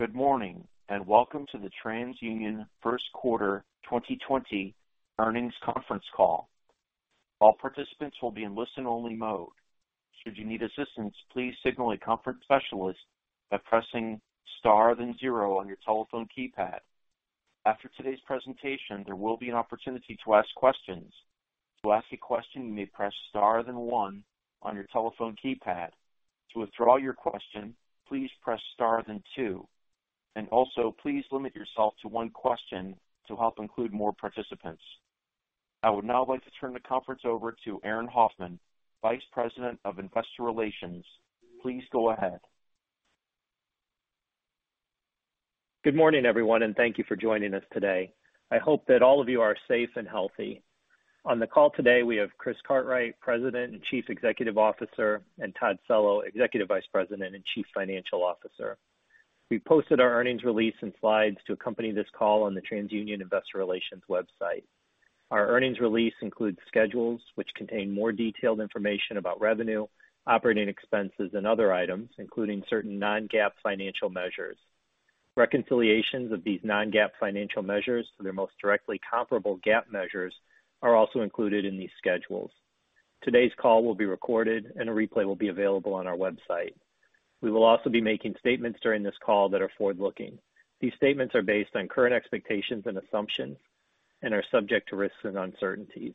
Good morning and welcome to the TransUnion first quarter 2020 earnings conference call. All participants will be in listen-only mode. Should you need assistance, please signal a conference specialist by pressing star then zero on your telephone keypad. After today's presentation, there will be an opportunity to ask questions. To ask a question, you may press star then one on your telephone keypad. To withdraw your question, please press star then two. And also, please limit yourself to one question to help include more participants. I would now like to turn the conference over to Aaron Hoffman, Vice President of Investor Relations. Please go ahead. Good morning, everyone, and thank you for joining us today. I hope that all of you are safe and healthy. On the call today, we have Chris Cartwright, President and Chief Executive Officer, and Todd Cello, Executive Vice President and Chief Financial Officer. We posted our earnings release and slides to accompany this call on the TransUnion Investor Relations website. Our earnings release includes schedules which contain more detailed information about revenue, operating expenses, and other items, including certain non-GAAP financial measures. Reconciliations of these non-GAAP financial measures to their most directly comparable GAAP measures are also included in these schedules. Today's call will be recorded, and a replay will be available on our website. We will also be making statements during this call that are forward-looking. These statements are based on current expectations and assumptions and are subject to risks and uncertainties.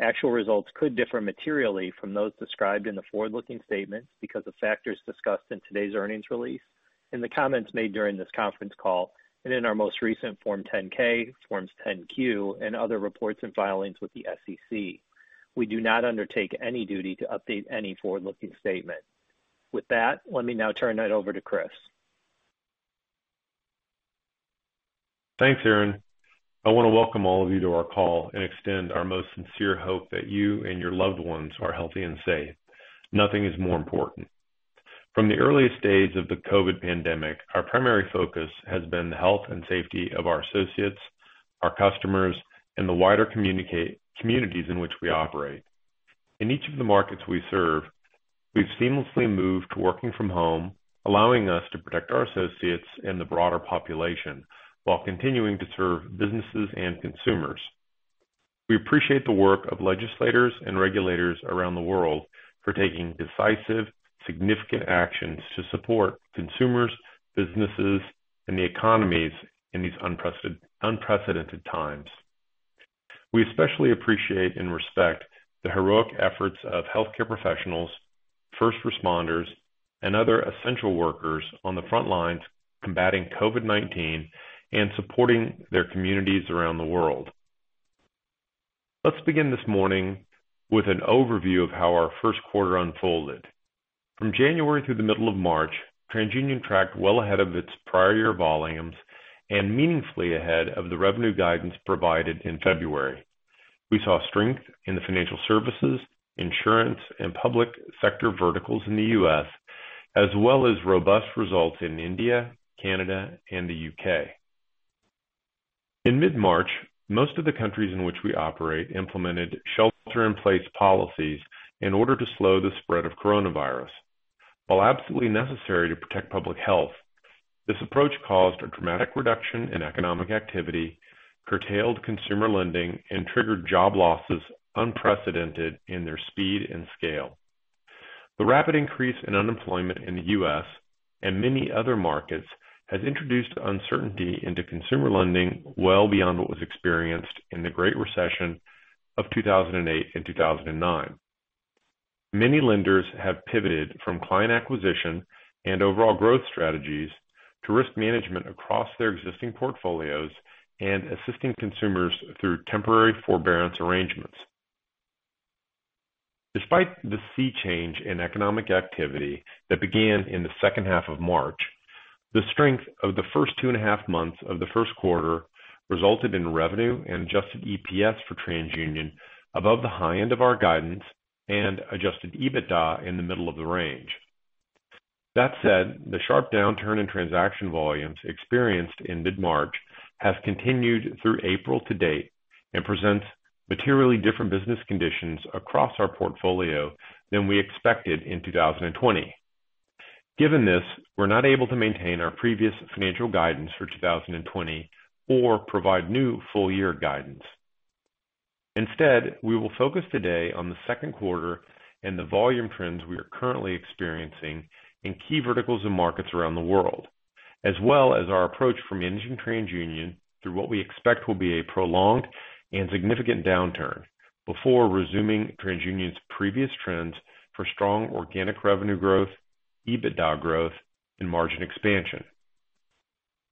Actual results could differ materially from those described in the forward-looking statements because of factors discussed in today's earnings release, in the comments made during this conference call, and in our most recent Form 10-K, Forms 10-Q, and other reports and filings with the SEC. We do not undertake any duty to update any forward-looking statement. With that, let me now turn it over to Chris. Thanks, Aaron. I want to welcome all of you to our call and extend our most sincere hope that you and your loved ones are healthy and safe. Nothing is more important. From the earliest days of the COVID pandemic, our primary focus has been the health and safety of our associates, our customers, and the wider communities in which we operate. In each of the markets we serve, we've seamlessly moved to working from home, allowing us to protect our associates and the broader population while continuing to serve businesses and consumers. We appreciate the work of legislators and regulators around the world for taking decisive, significant actions to support consumers, businesses, and the economies in these unprecedented times. We especially appreciate and respect the heroic efforts of healthcare professionals, first responders, and other essential workers on the front lines combating COVID-19 and supporting their communities around the world. Let's begin this morning with an overview of how our first quarter unfolded. From January through the middle of March, TransUnion tracked well ahead of its prior year volumes and meaningfully ahead of the revenue guidance provided in February. We saw strength in the Financial Services, Insurance, and Public Sector verticals in the U.S., as well as robust results in India, Canada, and the U.K. In mid-March, most of the countries in which we operate implemented shelter-in-place policies in order to slow the spread of coronavirus. While absolutely necessary to protect public health, this approach caused a dramatic reduction in economic activity, curtailed consumer lending, and triggered job losses unprecedented in their speed and scale. The rapid increase in unemployment in the U.S. and many other markets has introduced uncertainty into consumer lending well beyond what was experienced in the Great Recession of 2008 and 2009. Many lenders have pivoted from client acquisition and overall growth strategies to risk management across their existing portfolios and assisting consumers through temporary forbearance arrangements. Despite the sea change in economic activity that began in the second half of March, the strength of the first two and a half months of the first quarter resulted in revenue and adjusted EPS for TransUnion above the high end of our guidance and adjusted EBITDA in the middle of the range. That said, the sharp downturn in transaction volumes experienced in mid-March has continued through April to date and presents materially different business conditions across our portfolio than we expected in 2020. Given this, we're not able to maintain our previous financial guidance for 2020 or provide new full-year guidance. Instead, we will focus today on the second quarter and the volume trends we are currently experiencing in key verticals and markets around the world, as well as our approach to managing TransUnion through what we expect will be a prolonged and significant downturn before resuming TransUnion's previous trends for strong organic revenue growth, EBITDA growth, and margin expansion.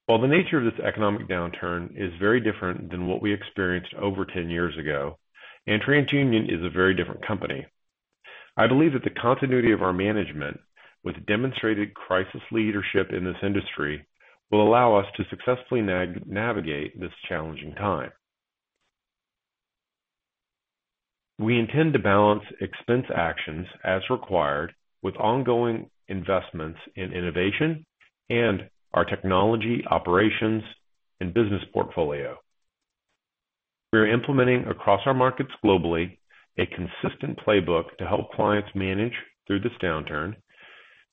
While the nature of this economic downturn is very different than what we experienced over 10 years ago, and TransUnion is a very different company, I believe that the continuity of our management with demonstrated crisis leadership in this industry will allow us to successfully navigate this challenging time. We intend to balance expense actions as required with ongoing investments in innovation and our technology, operations, and business portfolio. We are implementing across our markets globally a consistent playbook to help clients manage through this downturn.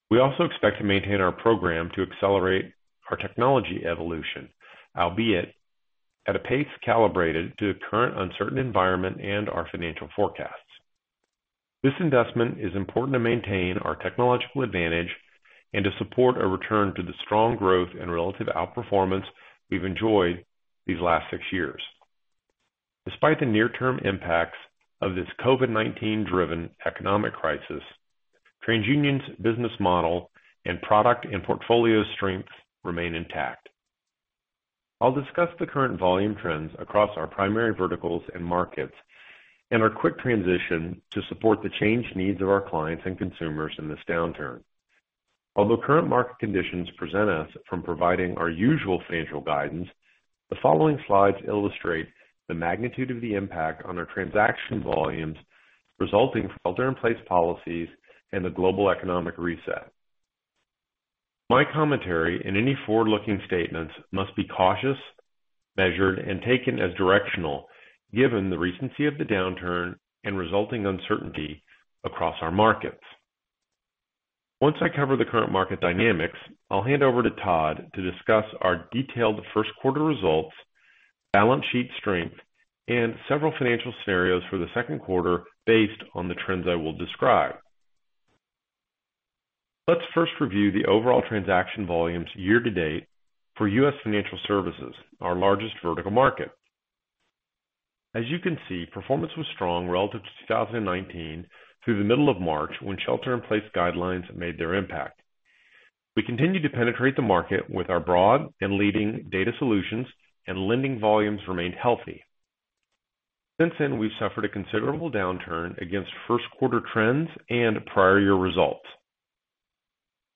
We also expect to maintain our program to accelerate our technology evolution, albeit at a pace calibrated to the current uncertain environment and our financial forecasts. This investment is important to maintain our technological advantage and to support a return to the strong growth and relative outperformance we've enjoyed these last six years. Despite the near-term impacts of this COVID-19-driven economic crisis, TransUnion's business model and product and portfolio strength remain intact. I'll discuss the current volume trends across our primary verticals and markets and our quick transition to support the changed needs of our clients and consumers in this downturn. Although current market conditions prevent us from providing our usual financial guidance, the following slides illustrate the magnitude of the impact on our transaction volumes resulting from shelter-in-place policies and the global economic reset. My commentary in any forward-looking statements must be cautious, measured, and taken as directional given the recency of the downturn and resulting uncertainty across our markets. Once I cover the current market dynamics, I'll hand over to Todd to discuss our detailed first quarter results, balance sheet strength, and several financial scenarios for the second quarter based on the trends I will describe. Let's first review the overall transaction volumes year to date for U.S. Financial Services, our largest vertical market. As you can see, performance was strong relative to 2019 through the middle of March when shelter-in-place guidelines made their impact. We continued to penetrate the market with our broad and leading data solutions, and lending volumes remained healthy. Since then, we've suffered a considerable downturn against first quarter trends and prior-year results.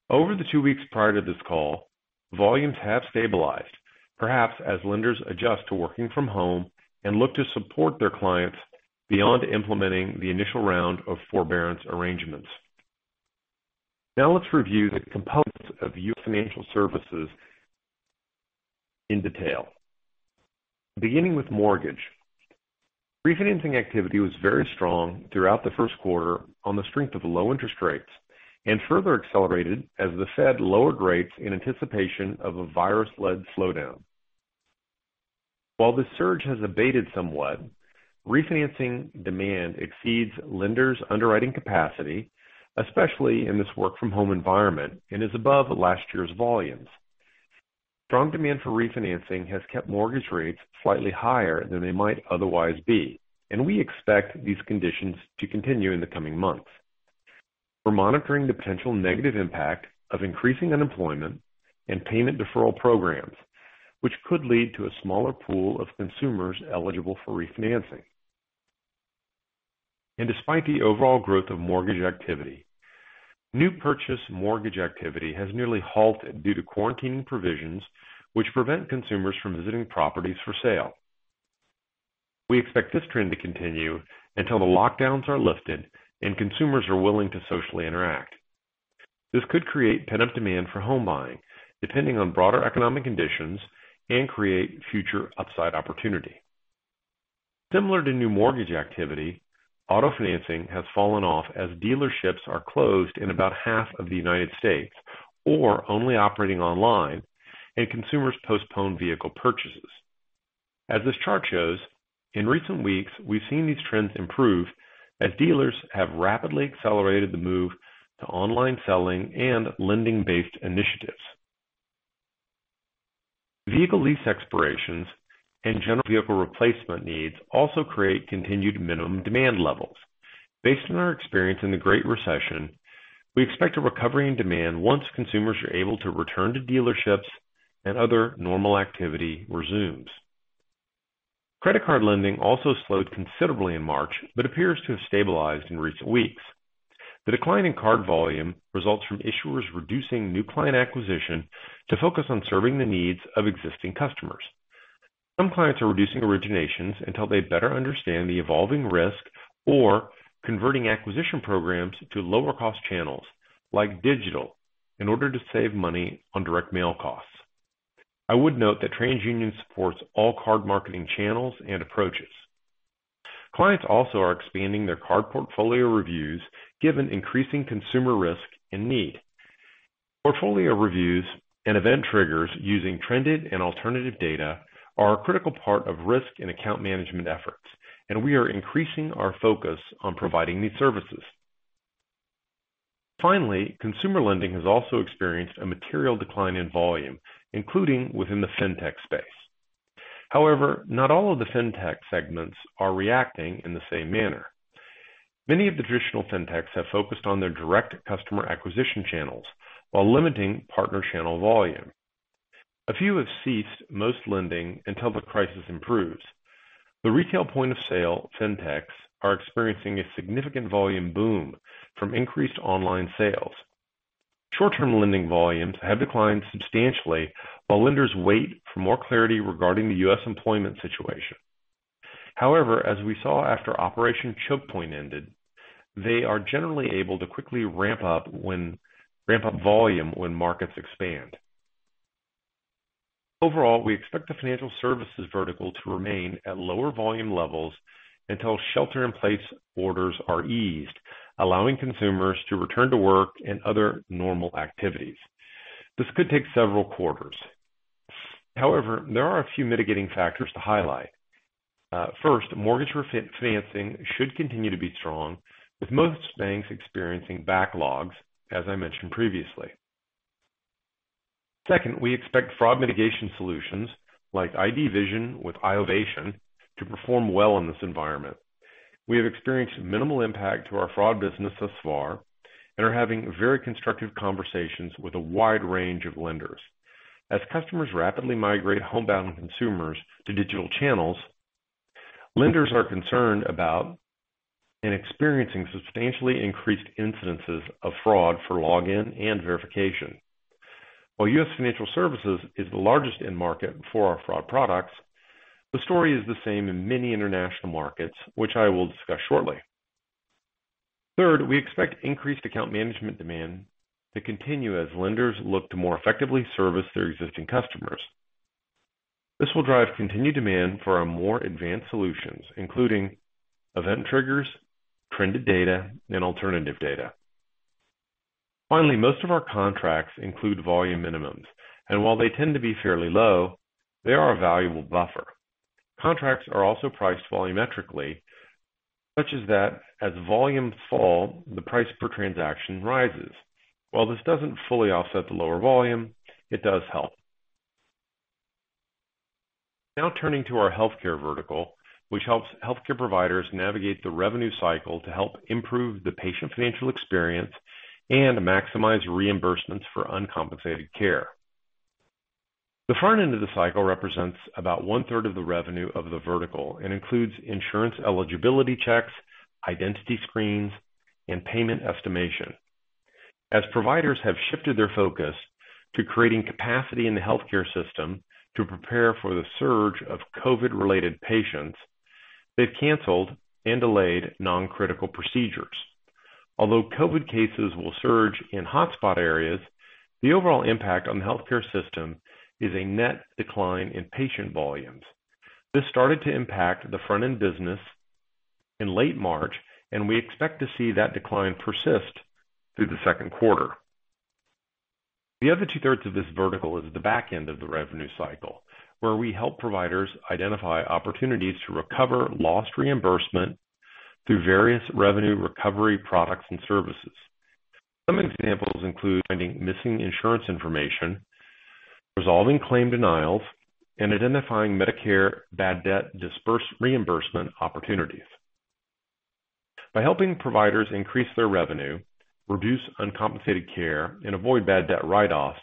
Over the two weeks prior to this call, volumes have stabilized, perhaps as lenders adjust to working from home and look to support their clients beyond implementing the initial round of forbearance arrangements. Now let's review the components of U.S. Financial Services in detail, beginning with mortgage. Refinancing activity was very strong throughout the first quarter on the strength of low interest rates and further accelerated as the Fed lowered rates in anticipation of a virus-led slowdown. While the surge has abated somewhat, refinancing demand exceeds lenders' underwriting capacity, especially in this work-from-home environment, and is above last year's volumes. Strong demand for refinancing has kept mortgage rates slightly higher than they might otherwise be, and we expect these conditions to continue in the coming months. We're monitoring the potential negative impact of increasing unemployment and payment deferral programs, which could lead to a smaller pool of consumers eligible for refinancing, and despite the overall growth of mortgage activity, new purchase mortgage activity has nearly halted due to quarantine provisions, which prevent consumers from visiting properties for sale. We expect this trend to continue until the lockdowns are lifted and consumers are willing to socially interact. This could create pent-up demand for home buying, depending on broader economic conditions, and create future upside opportunity. Similar to new mortgage activity, auto financing has fallen off as dealerships are closed in about half of the United States or only operating online, and consumers postpone vehicle purchases. As this chart shows, in recent weeks, we've seen these trends improve as dealers have rapidly accelerated the move to online selling and lending-based initiatives. Vehicle lease expirations and general vehicle replacement needs also create continued minimum demand levels. Based on our experience in the Great Recession, we expect a recovery in demand once consumers are able to return to dealerships and other normal activity resumes. Credit card lending also slowed considerably in March but appears to have stabilized in recent weeks. The decline in card volume results from issuers reducing new client acquisition to focus on serving the needs of existing customers. Some clients are reducing originations until they better understand the evolving risk or converting acquisition programs to lower-cost channels like digital in order to save money on direct mail costs. I would note that TransUnion supports all card marketing channels and approaches. Clients also are expanding their card portfolio reviews given increasing consumer risk and need. Portfolio reviews and event triggers using trended and alternative data are a critical part of risk and account management efforts, and we are increasing our focus on providing these services. Finally, consumer lending has also experienced a material decline in volume, including within the fintech space. However, not all of the fintech segments are reacting in the same manner. Many of the traditional fintechs have focused on their direct customer acquisition channels while limiting partner channel volume. A few have ceased most lending until the crisis improves. The retail point-of-sale fintechs are experiencing a significant volume boom from increased online sales. Short-term lending volumes have declined substantially while lenders wait for more clarity regarding the U.S. employment situation. However, as we saw after Operation Choke Point ended, they are generally able to quickly ramp up volume when markets expand. Overall, we expect the Financial Services vertical to remain at lower volume levels until shelter-in-place orders are eased, allowing consumers to return to work and other normal activities. This could take several quarters. However, there are a few mitigating factors to highlight. First, mortgage financing should continue to be strong, with most banks experiencing backlogs, as I mentioned previously. Second, we expect fraud mitigation solutions like IDVision with iovation to perform well in this environment. We have experienced minimal impact to our fraud business thus far and are having very constructive conversations with a wide range of lenders. As customers rapidly migrate homebound consumers to digital channels, lenders are concerned about and experiencing substantially increased incidences of fraud for login and verification. While U.S. Financial Services is the largest in market for our fraud products, the story is the same in many International markets, which I will discuss shortly. Third, we expect increased account management demand to continue as lenders look to more effectively service their existing customers. This will drive continued demand for our more advanced solutions, including event triggers, trended data, and alternative data. Finally, most of our contracts include volume minimums, and while they tend to be fairly low, they are a valuable buffer. Contracts are also priced volumetrically, such that as volumes fall, the price per transaction rises. While this doesn't fully offset the lower volume, it does help. Now turning to our Healthcare vertical, which helps healthcare providers navigate the revenue cycle to help improve the patient financial experience and maximize reimbursements for uncompensated care. The front end of the cycle represents about 1/3 of the revenue of the vertical and includes insurance eligibility checks, identity screens, and payment estimation. As providers have shifted their focus to creating capacity in the healthcare system to prepare for the surge of COVID-related patients, they've canceled and delayed non-critical procedures. Although COVID cases will surge in hotspot areas, the overall impact on the healthcare system is a net decline in patient volumes. This started to impact the front-end business in late March, and we expect to see that decline persist through the second quarter. The other 2/3 of this vertical is the back end of the revenue cycle, where we help providers identify opportunities to recover lost reimbursement through various revenue recovery products and services. Some examples include finding missing insurance information, resolving claim denials, and identifying Medicare bad debt disbursement reimbursement opportunities. By helping providers increase their revenue, reduce uncompensated care, and avoid bad debt write-offs,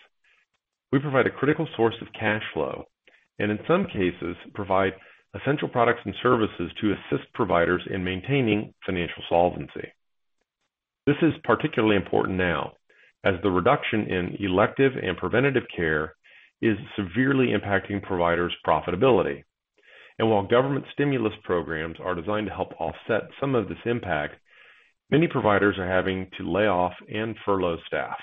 we provide a critical source of cash flow and, in some cases, provide essential products and services to assist providers in maintaining financial solvency. This is particularly important now as the reduction in elective and preventive care is severely impacting providers' profitability. And while government stimulus programs are designed to help offset some of this impact, many providers are having to lay off and furlough staff.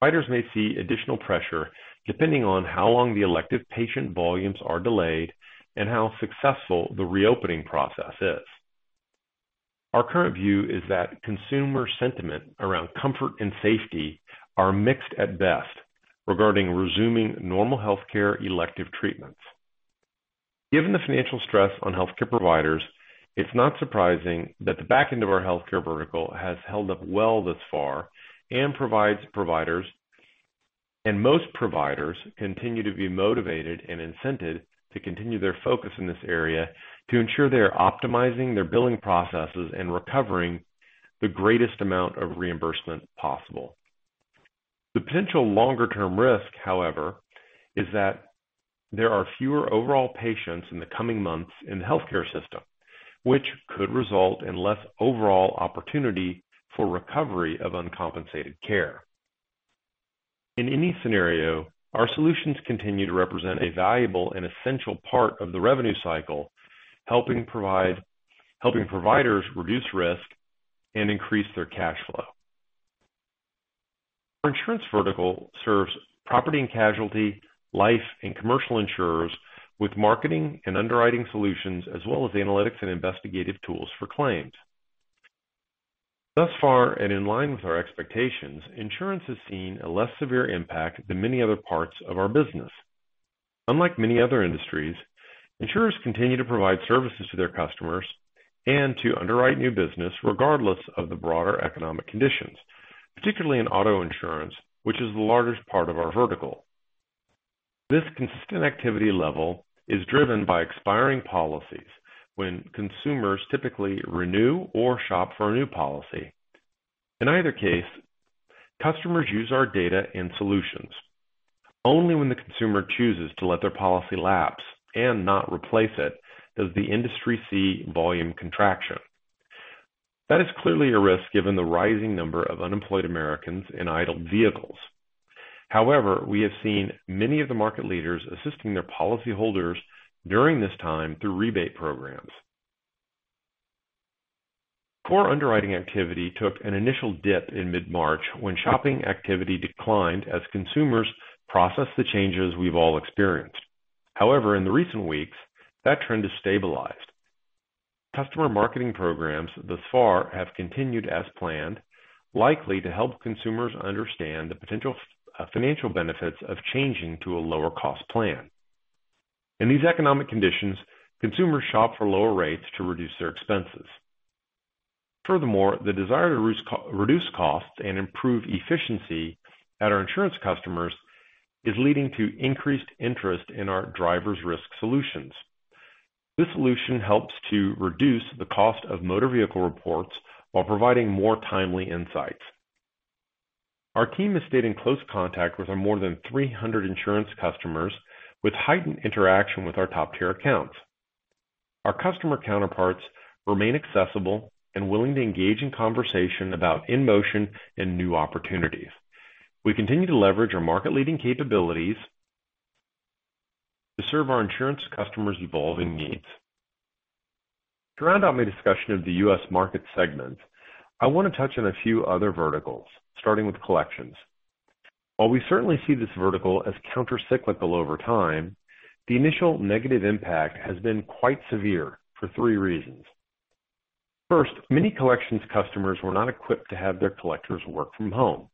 Providers may see additional pressure depending on how long the elective patient volumes are delayed and how successful the reopening process is. Our current view is that consumer sentiment around comfort and safety are mixed at best regarding resuming normal healthcare elective treatments. Given the financial stress on healthcare providers, it's not surprising that the back end of our Healthcare vertical has held up well thus far and provides providers. And most providers continue to be motivated and incented to continue their focus in this area to ensure they are optimizing their billing processes and recovering the greatest amount of reimbursement possible. The potential longer-term risk, however, is that there are fewer overall patients in the coming months in the healthcare system, which could result in less overall opportunity for recovery of uncompensated care. In any scenario, our solutions continue to represent a valuable and essential part of the revenue cycle, helping providers reduce risk and increase their cash flow. Our Insurance vertical serves property and casualty, life, and commercial insurers with marketing and underwriting solutions, as well as analytics and investigative tools for claims. Thus far, and in line with our expectations, Insurance has seen a less severe impact than many other parts of our business. Unlike many other industries, insurers continue to provide services to their customers and to underwrite new business regardless of the broader economic conditions, particularly in auto insurance, which is the largest part of our vertical. This consistent activity level is driven by expiring policies when consumers typically renew or shop for a new policy. In either case, customers use our data and solutions. Only when the consumer chooses to let their policy lapse and not replace it does the industry see volume contraction. That is clearly a risk given the rising number of unemployed Americans in idle vehicles. However, we have seen many of the market leaders assisting their policyholders during this time through rebate programs. Core underwriting activity took an initial dip in mid-March when shopping activity declined as consumers processed the changes we've all experienced. However, in the recent weeks, that trend has stabilized. Customer marketing programs thus far have continued as planned, likely to help consumers understand the potential financial benefits of changing to a lower-cost plan. In these economic conditions, consumers shop for lower rates to reduce their expenses. Furthermore, the desire to reduce costs and improve efficiency at our insurance customers is leading to increased interest in our DriverRisk solutions. This solution helps to reduce the cost of motor vehicle reports while providing more timely insights. Our team is staying in close contact with our more than 300 insurance customers, with heightened interaction with our top-tier accounts. Our customer counterparts remain accessible and willing to engage in conversation about in-motion and new opportunities. We continue to leverage our market-leading capabilities to serve our insurance customers' evolving needs. To round out my discussion of the U.S. Markets segments, I want to touch on a few other verticals, starting with collections. While we certainly see this vertical as countercyclical over time, the initial negative impact has been quite severe for three reasons. First, many collections customers were not equipped to have their collectors work from home.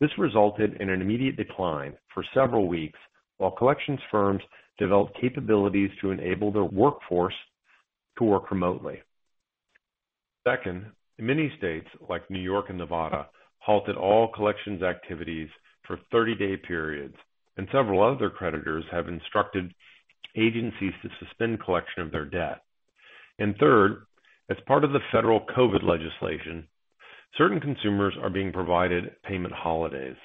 This resulted in an immediate decline for several weeks while collections firms developed capabilities to enable their workforce to work remotely. Second, many states like New York and Nevada halted all collections activities for 30-day periods, and several other creditors have instructed agencies to suspend collection of their debt. And third, as part of the federal COVID legislation, certain consumers are being provided payment holidays.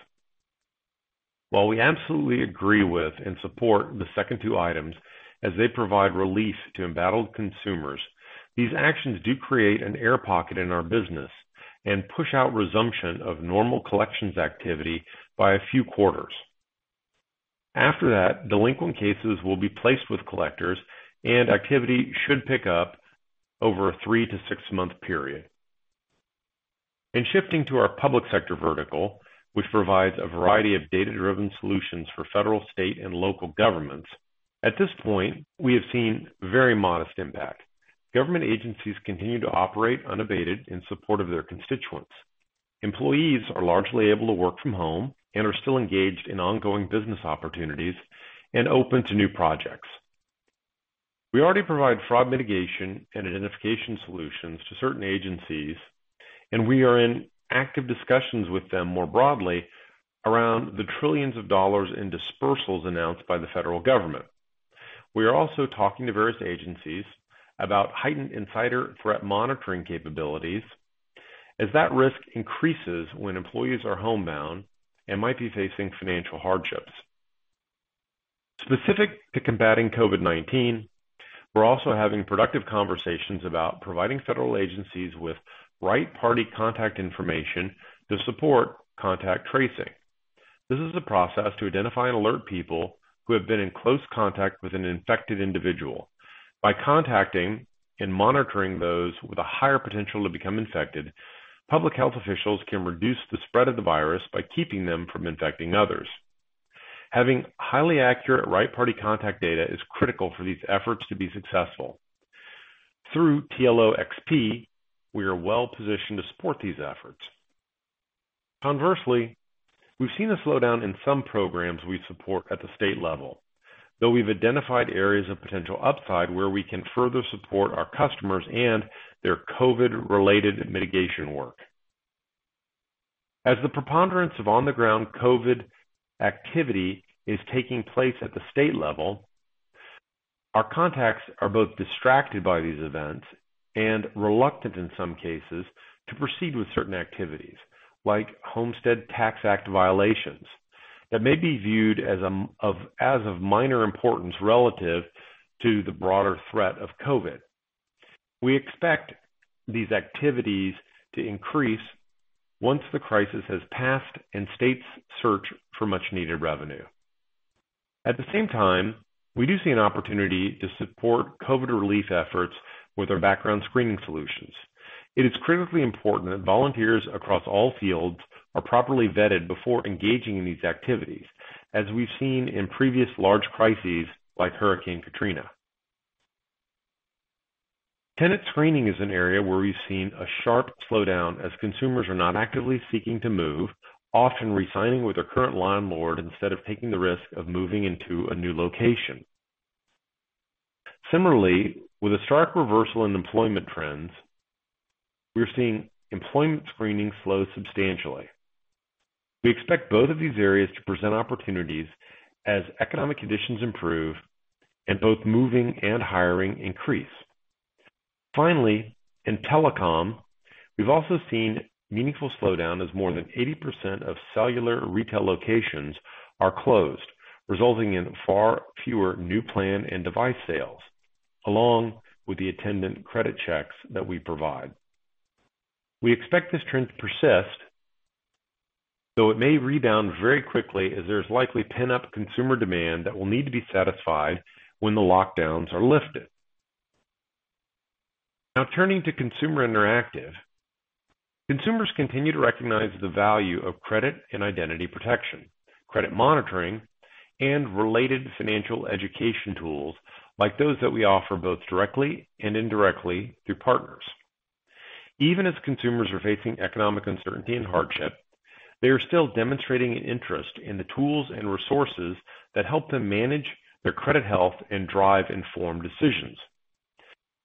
While we absolutely agree with and support the second two items as they provide relief to embattled consumers, these actions do create an air pocket in our business and push out resumption of normal collections activity by a few quarters. After that, delinquent cases will be placed with collectors, and activity should pick up over a three to six-month period. In shifting to our Public Sector vertical, which provides a variety of data-driven solutions for federal, state, and local governments, at this point, we have seen very modest impact. Government agencies continue to operate unabated in support of their constituents. Employees are largely able to work from home and are still engaged in ongoing business opportunities and open to new projects. We already provide fraud mitigation and identification solutions to certain agencies, and we are in active discussions with them more broadly around the trillions of dollars in disbursals announced by the federal government. We are also talking to various agencies about heightened insider threat monitoring capabilities as that risk increases when employees are homebound and might be facing financial hardships. Specific to combating COVID-19, we're also having productive conversations about providing federal agencies with right-party contact information to support contact tracing. This is a process to identify and alert people who have been in close contact with an infected individual. By contacting and monitoring those with a higher potential to become infected, public health officials can reduce the spread of the virus by keeping them from infecting others. Having highly accurate right-party contact data is critical for these efforts to be successful. Through TLOxp, we are well-positioned to support these efforts. Conversely, we've seen a slowdown in some programs we support at the state level, though we've identified areas of potential upside where we can further support our customers and their COVID-related mitigation work. As the preponderance of on-the-ground COVID activity is taking place at the state level, our contacts are both distracted by these events and reluctant in some cases to proceed with certain activities, like Homestead Tax Act violations, that may be viewed as of minor importance relative to the broader threat of COVID. We expect these activities to increase once the crisis has passed and states search for much-needed revenue. At the same time, we do see an opportunity to support COVID relief efforts with our background screening solutions. It is critically important that volunteers across all fields are properly vetted before engaging in these activities, as we've seen in previous large crises like Hurricane Katrina. Tenant screening is an area where we've seen a sharp slowdown as consumers are not actively seeking to move, often resigning with their current landlord instead of taking the risk of moving into a new location. Similarly, with a stark reversal in employment trends, we're seeing employment screening slow substantially. We expect both of these areas to present opportunities as economic conditions improve and both moving and hiring increase. Finally, in Telecom, we've also seen a meaningful slowdown as more than 80% of cellular retail locations are closed, resulting in far fewer new plan and device sales, along with the attendant credit checks that we provide. We expect this trend to persist, though it may rebound very quickly as there's likely pent-up consumer demand that will need to be satisfied when the lockdowns are lifted. Now turning to Consumer Interactive, consumers continue to recognize the value of credit and identity protection, credit monitoring, and related financial education tools like those that we offer both directly and indirectly through partners. Even as consumers are facing economic uncertainty and hardship, they are still demonstrating an interest in the tools and resources that help them manage their credit health and drive informed decisions.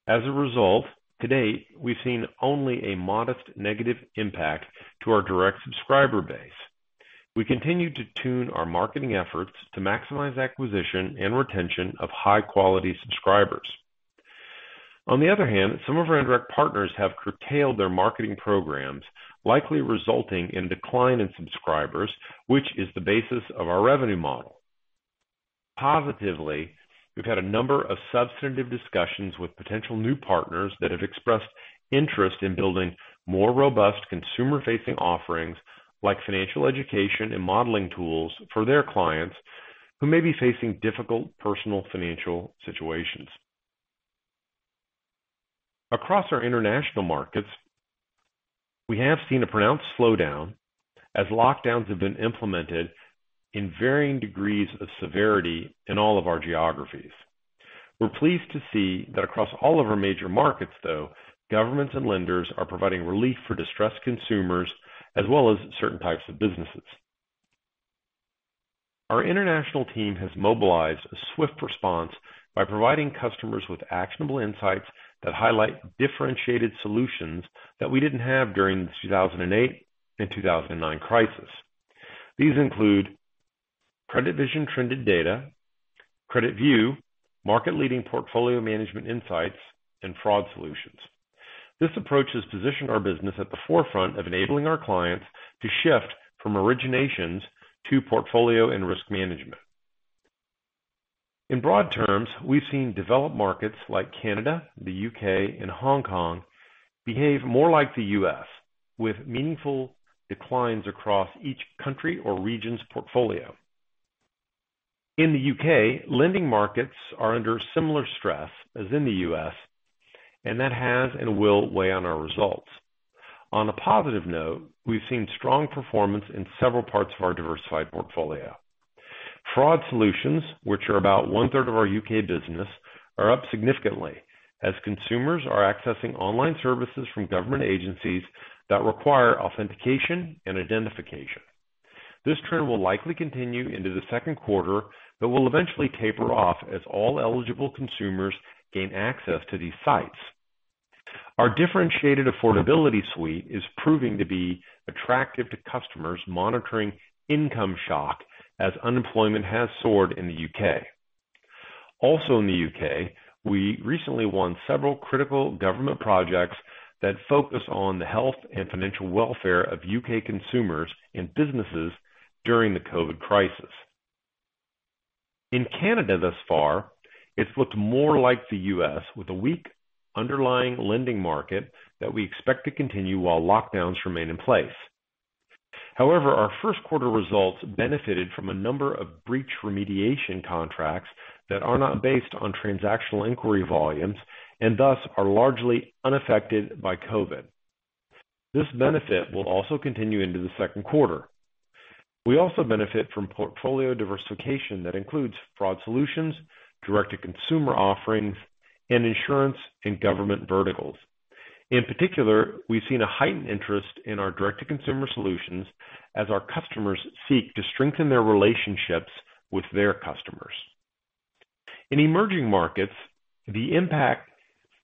As a result, to date, we've seen only a modest negative impact to our direct subscriber base. We continue to tune our marketing efforts to maximize acquisition and retention of high-quality subscribers. On the other hand, some of our indirect partners have curtailed their marketing programs, likely resulting in a decline in subscribers, which is the basis of our revenue model. Positively, we've had a number of substantive discussions with potential new partners that have expressed interest in building more robust consumer-facing offerings like financial education and modeling tools for their clients who may be facing difficult personal financial situations. Across our International markets, we have seen a pronounced slowdown as lockdowns have been implemented in varying degrees of severity in all of our geographies. We're pleased to see that across all of our major markets, though, governments and lenders are providing relief for distressed consumers as well as certain types of businesses. Our International team has mobilized a swift response by providing customers with actionable insights that highlight differentiated solutions that we didn't have during the 2008 and 2009 crisis. These include CreditVision Trended Data, CreditView, market-leading portfolio management insights, and fraud solutions. This approach has positioned our business at the forefront of enabling our clients to shift from originations to portfolio and risk management. In broad terms, we've seen developed markets like Canada, the U.K., and Hong Kong behave more like the U.S., with meaningful declines across each country or region's portfolio. In the U.K., lending markets are under similar stress as in the U.S., and that has and will weigh on our results. On a positive note, we've seen strong performance in several parts of our diversified portfolio. Fraud solutions, which are about 1/3 of our U.K. business, are up significantly as consumers are accessing online services from government agencies that require authentication and identification. This trend will likely continue into the second quarter, but will eventually taper off as all eligible consumers gain access to these sites. Our differentiated affordability suite is proving to be attractive to customers monitoring income shock as unemployment has soared in the U.K. Also in the U.K., we recently won several critical government projects that focus on the health and financial welfare of U.K. consumers and businesses during the COVID crisis. In Canada thus far, it's looked more like the U.S., with a weak underlying lending market that we expect to continue while lockdowns remain in place. However, our first quarter results benefited from a number of breach remediation contracts that are not based on transactional inquiry volumes and thus are largely unaffected by COVID. This benefit will also continue into the second quarter. We also benefit from portfolio diversification that includes fraud solutions, direct-to-consumer offerings, and insurance and government verticals. In particular, we've seen a heightened interest in our direct-to-consumer solutions as our customers seek to strengthen their relationships with their customers. In emerging markets, the impact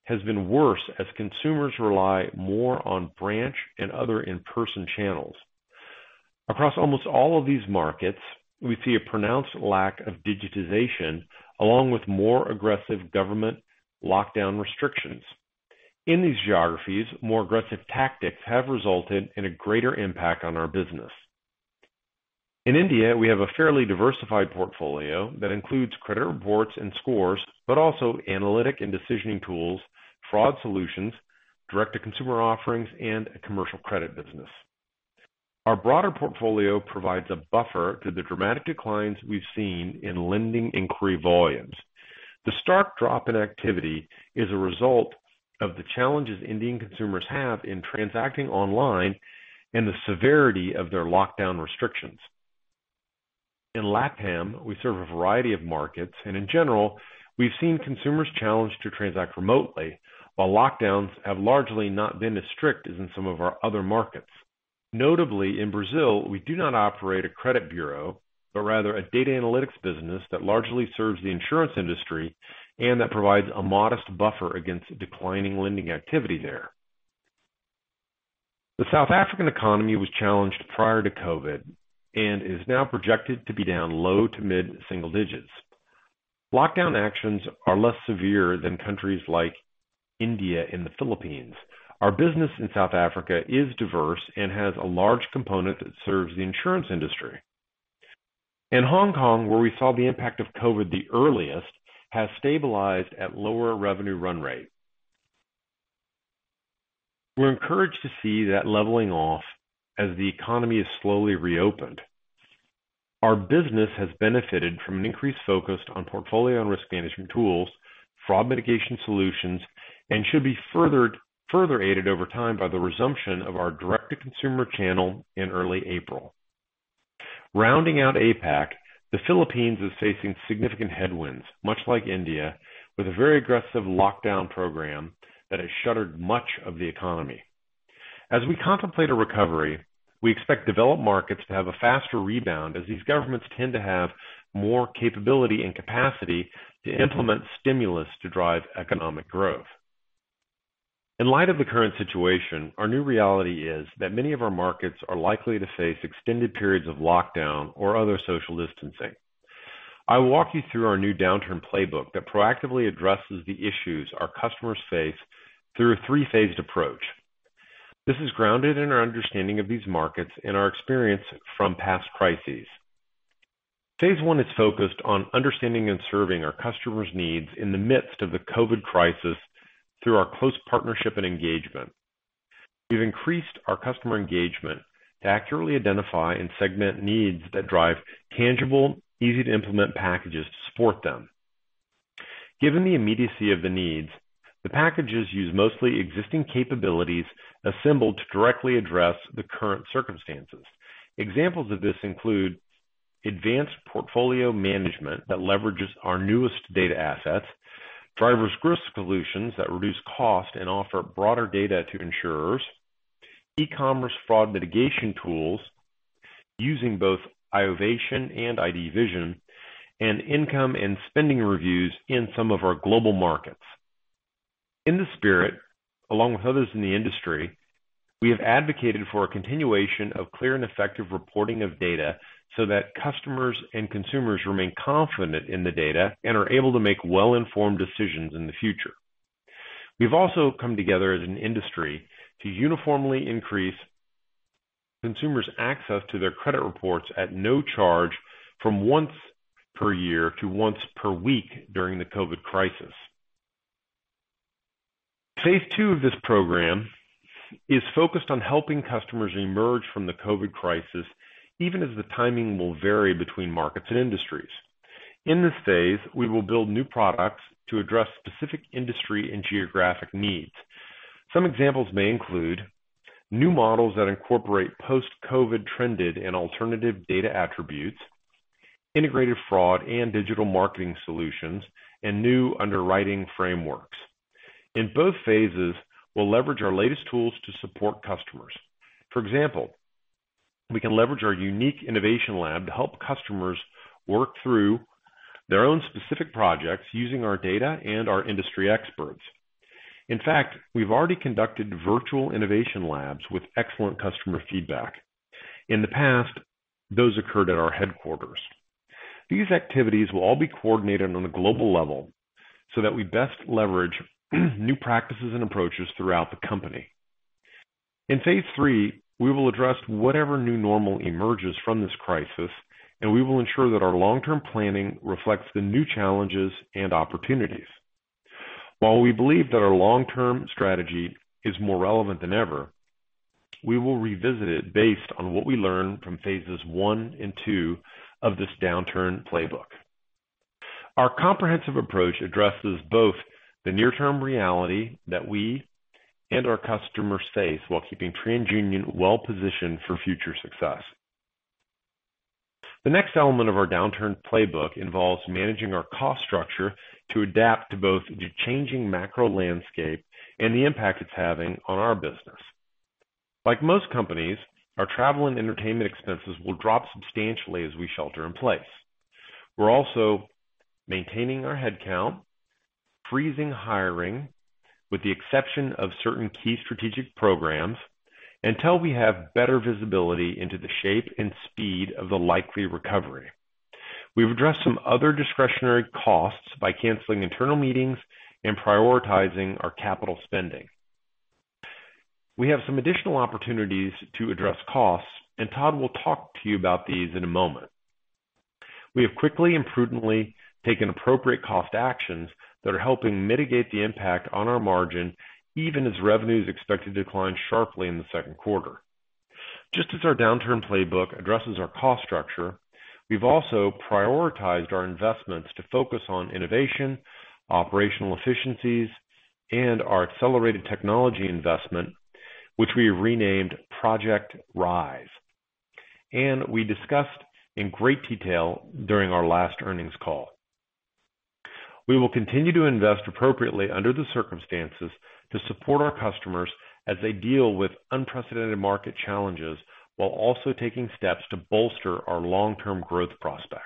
has been worse as consumers rely more on branch and other in-person channels. Across almost all of these markets, we see a pronounced lack of digitization, along with more aggressive government lockdown restrictions. In these geographies, more aggressive tactics have resulted in a greater impact on our business. In India, we have a fairly diversified portfolio that includes credit reports and scores, but also analytic and decisioning tools, fraud solutions, direct-to-consumer offerings, and a commercial credit business. Our broader portfolio provides a buffer to the dramatic declines we've seen in lending inquiry volumes. The stark drop in activity is a result of the challenges Indian consumers have in transacting online and the severity of their lockdown restrictions. In LATAM, we serve a variety of markets, and in general, we've seen consumers challenged to transact remotely, while lockdowns have largely not been as strict as in some of our other markets. Notably, in Brazil, we do not operate a credit bureau, but rather a data analytics business that largely serves the insurance industry and that provides a modest buffer against declining lending activity there. The South African economy was challenged prior to COVID and is now projected to be down low to mid single digits. Lockdown actions are less severe than countries like India and the Philippines. Our business in South Africa is diverse and has a large component that serves the insurance industry. In Hong Kong, where we saw the impact of COVID the earliest, it has stabilized at lower revenue run rates. We're encouraged to see that leveling off as the economy is slowly reopened. Our business has benefited from an increase focused on portfolio and risk management tools, fraud mitigation solutions, and should be further aided over time by the resumption of our direct-to-consumer channel in early April. Rounding out APAC, the Philippines is facing significant headwinds, much like India, with a very aggressive lockdown program that has shuttered much of the economy. As we contemplate a recovery, we expect developed markets to have a faster rebound as these governments tend to have more capability and capacity to implement stimulus to drive economic growth. In light of the current situation, our new reality is that many of our markets are likely to face extended periods of lockdown or other social distancing. I will walk you through our new downturn playbook that proactively addresses the issues our customers face through a three-phased approach. This is grounded in our understanding of these markets and our experience from past crises. Phase I is focused on understanding and serving our customers' needs in the midst of the COVID crisis through our close partnership and engagement. We've increased our customer engagement to accurately identify and segment needs that drive tangible, easy-to-implement packages to support them. Given the immediacy of the needs, the packages use mostly existing capabilities assembled to directly address the current circumstances. Examples of this include advanced portfolio management that leverages our newest data assets, DriverRisk solutions that reduce cost and offer broader data to insurers, e-commerce fraud mitigation tools using both iovation and IDVision, and income and spending reviews in some of our global markets. In this spirit, along with others in the industry, we have advocated for a continuation of clear and effective reporting of data so that customers and consumers remain confident in the data and are able to make well-informed decisions in the future. We've also come together as an industry to uniformly increase consumers' access to their credit reports at no charge from once per year to once per week during the COVID crisis. Phase II of this program is focused on helping customers emerge from the COVID crisis, even as the timing will vary between markets and industries. In this phase, we will build new products to address specific industry and geographic needs. Some examples may include new models that incorporate post-COVID trended and alternative data attributes, integrated fraud and digital marketing solutions, and new underwriting frameworks. In both phases, we'll leverage our latest tools to support customers. For example, we can leverage our unique innovation lab to help customers work through their own specific projects using our data and our industry experts. In fact, we've already conducted virtual innovation labs with excellent customer feedback. In the past, those occurred at our headquarters. These activities will all be coordinated on a global level so that we best leverage new practices and approaches throughout the company. In phase III, we will address whatever new normal emerges from this crisis, and we will ensure that our long-term planning reflects the new challenges and opportunities. While we believe that our long-term strategy is more relevant than ever, we will revisit it based on what we learn from phases I and II of this downturn playbook. Our comprehensive approach addresses both the near-term reality that we and our customers face while keeping TransUnion well-positioned for future success. The next element of our downturn playbook involves managing our cost structure to adapt to both the changing macro landscape and the impact it's having on our business. Like most companies, our travel and entertainment expenses will drop substantially as we shelter in place. We're also maintaining our headcount, freezing hiring with the exception of certain key strategic programs until we have better visibility into the shape and speed of the likely recovery. We've addressed some other discretionary costs by canceling internal meetings and prioritizing our capital spending. We have some additional opportunities to address costs, and Todd will talk to you about these in a moment. We have quickly and prudently taken appropriate cost actions that are helping mitigate the impact on our margin even as revenues expected to decline sharply in the second quarter. Just as our downturn playbook addresses our cost structure, we've also prioritized our investments to focus on innovation, operational efficiencies, and our accelerated technology investment, which we have renamed Project Rise, and we discussed in great detail during our last earnings call. We will continue to invest appropriately under the circumstances to support our customers as they deal with unprecedented market challenges while also taking steps to bolster our long-term growth prospects.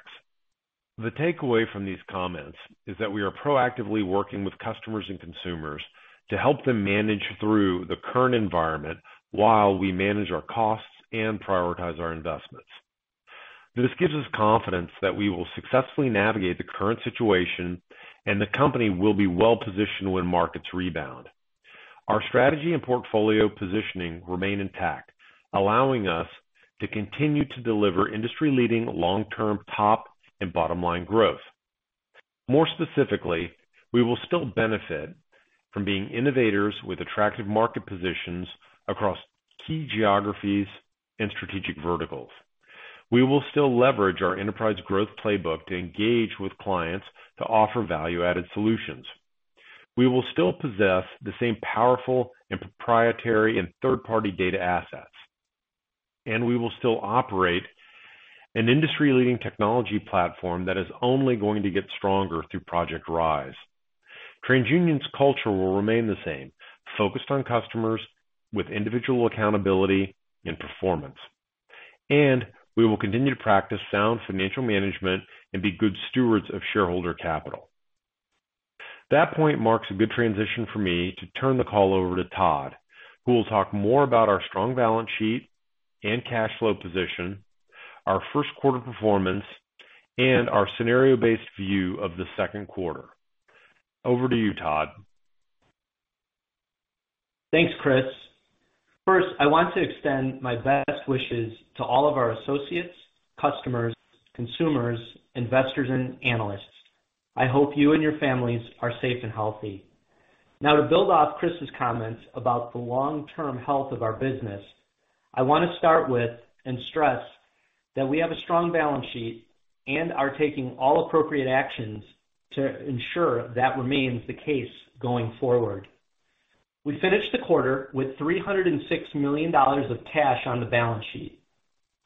The takeaway from these comments is that we are proactively working with customers and consumers to help them manage through the current environment while we manage our costs and prioritize our investments. This gives us confidence that we will successfully navigate the current situation and the company will be well-positioned when markets rebound. Our strategy and portfolio positioning remain intact, allowing us to continue to deliver industry-leading long-term top and bottom-line growth. More specifically, we will still benefit from being innovators with attractive market positions across key geographies and strategic verticals. We will still leverage our enterprise growth playbook to engage with clients to offer value-added solutions. We will still possess the same powerful and proprietary and third-party data assets, and we will still operate an industry-leading technology platform that is only going to get stronger through Project Rise. TransUnion's culture will remain the same, focused on customers with individual accountability and performance, and we will continue to practice sound financial management and be good stewards of shareholder capital. That point marks a good transition for me to turn the call over to Todd, who will talk more about our strong balance sheet and cash flow position, our first quarter performance, and our scenario-based view of the second quarter. Over to you, Todd. Thanks, Chris. First, I want to extend my best wishes to all of our associates, customers, consumers, investors, and analysts. I hope you and your families are safe and healthy. Now, to build off Chris's comments about the long-term health of our business, I want to start with and stress that we have a strong balance sheet and are taking all appropriate actions to ensure that remains the case going forward. We finished the quarter with $306 million of cash on the balance sheet.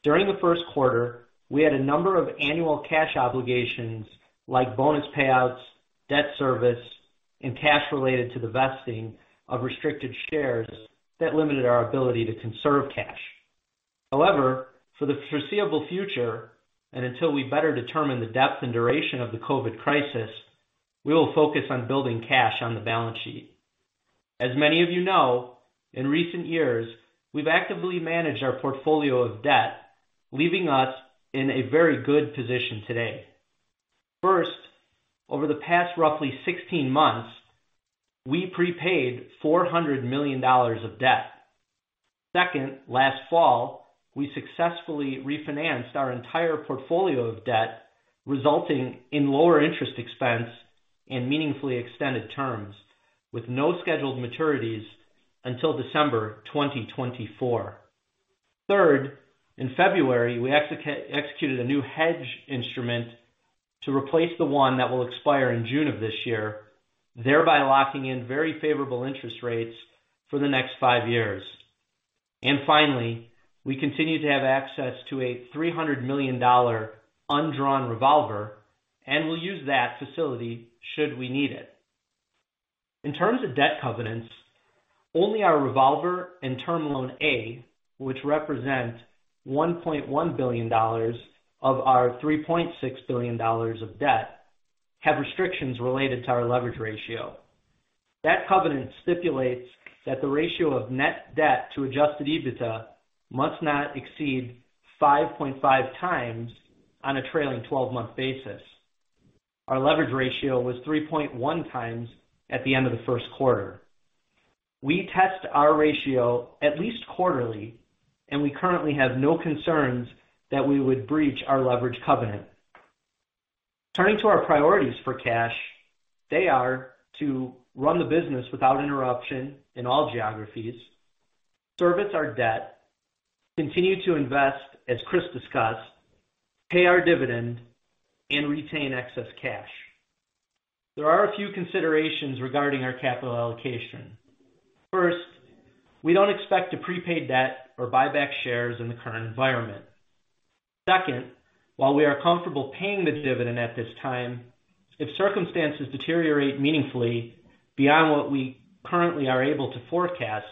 During the first quarter, we had a number of annual cash obligations like bonus payouts, debt service, and cash related to the vesting of restricted shares that limited our ability to conserve cash. However, for the foreseeable future and until we better determine the depth and duration of the COVID crisis, we will focus on building cash on the balance sheet. As many of you know, in recent years, we've actively managed our portfolio of debt, leaving us in a very good position today. First, over the past roughly 16 months, we prepaid $400 million of debt. Second, last fall, we successfully refinanced our entire portfolio of debt, resulting in lower interest expense and meaningfully extended terms with no scheduled maturities until December 2024. Third, in February, we executed a new hedge instrument to replace the one that will expire in June of this year, thereby locking in very favorable interest rates for the next five years. And finally, we continue to have access to a $300 million undrawn revolver and will use that facility should we need it. In terms of debt covenants, only our revolver and Term Loan A, which represent $1.1 billion of our $3.6 billion of debt, have restrictions related to our leverage ratio. That covenant stipulates that the ratio of net debt to adjusted EBITDA must not exceed 5.5x on a trailing 12-month basis. Our leverage ratio was 3.1x at the end of the first quarter. We test our ratio at least quarterly, and we currently have no concerns that we would breach our leverage covenant. Turning to our priorities for cash, they are to run the business without interruption in all geographies, service our debt, continue to invest as Chris discussed, pay our dividend, and retain excess cash. There are a few considerations regarding our capital allocation. First, we don't expect to prepay debt or buy back shares in the current environment. Second, while we are comfortable paying the dividend at this time, if circumstances deteriorate meaningfully beyond what we currently are able to forecast,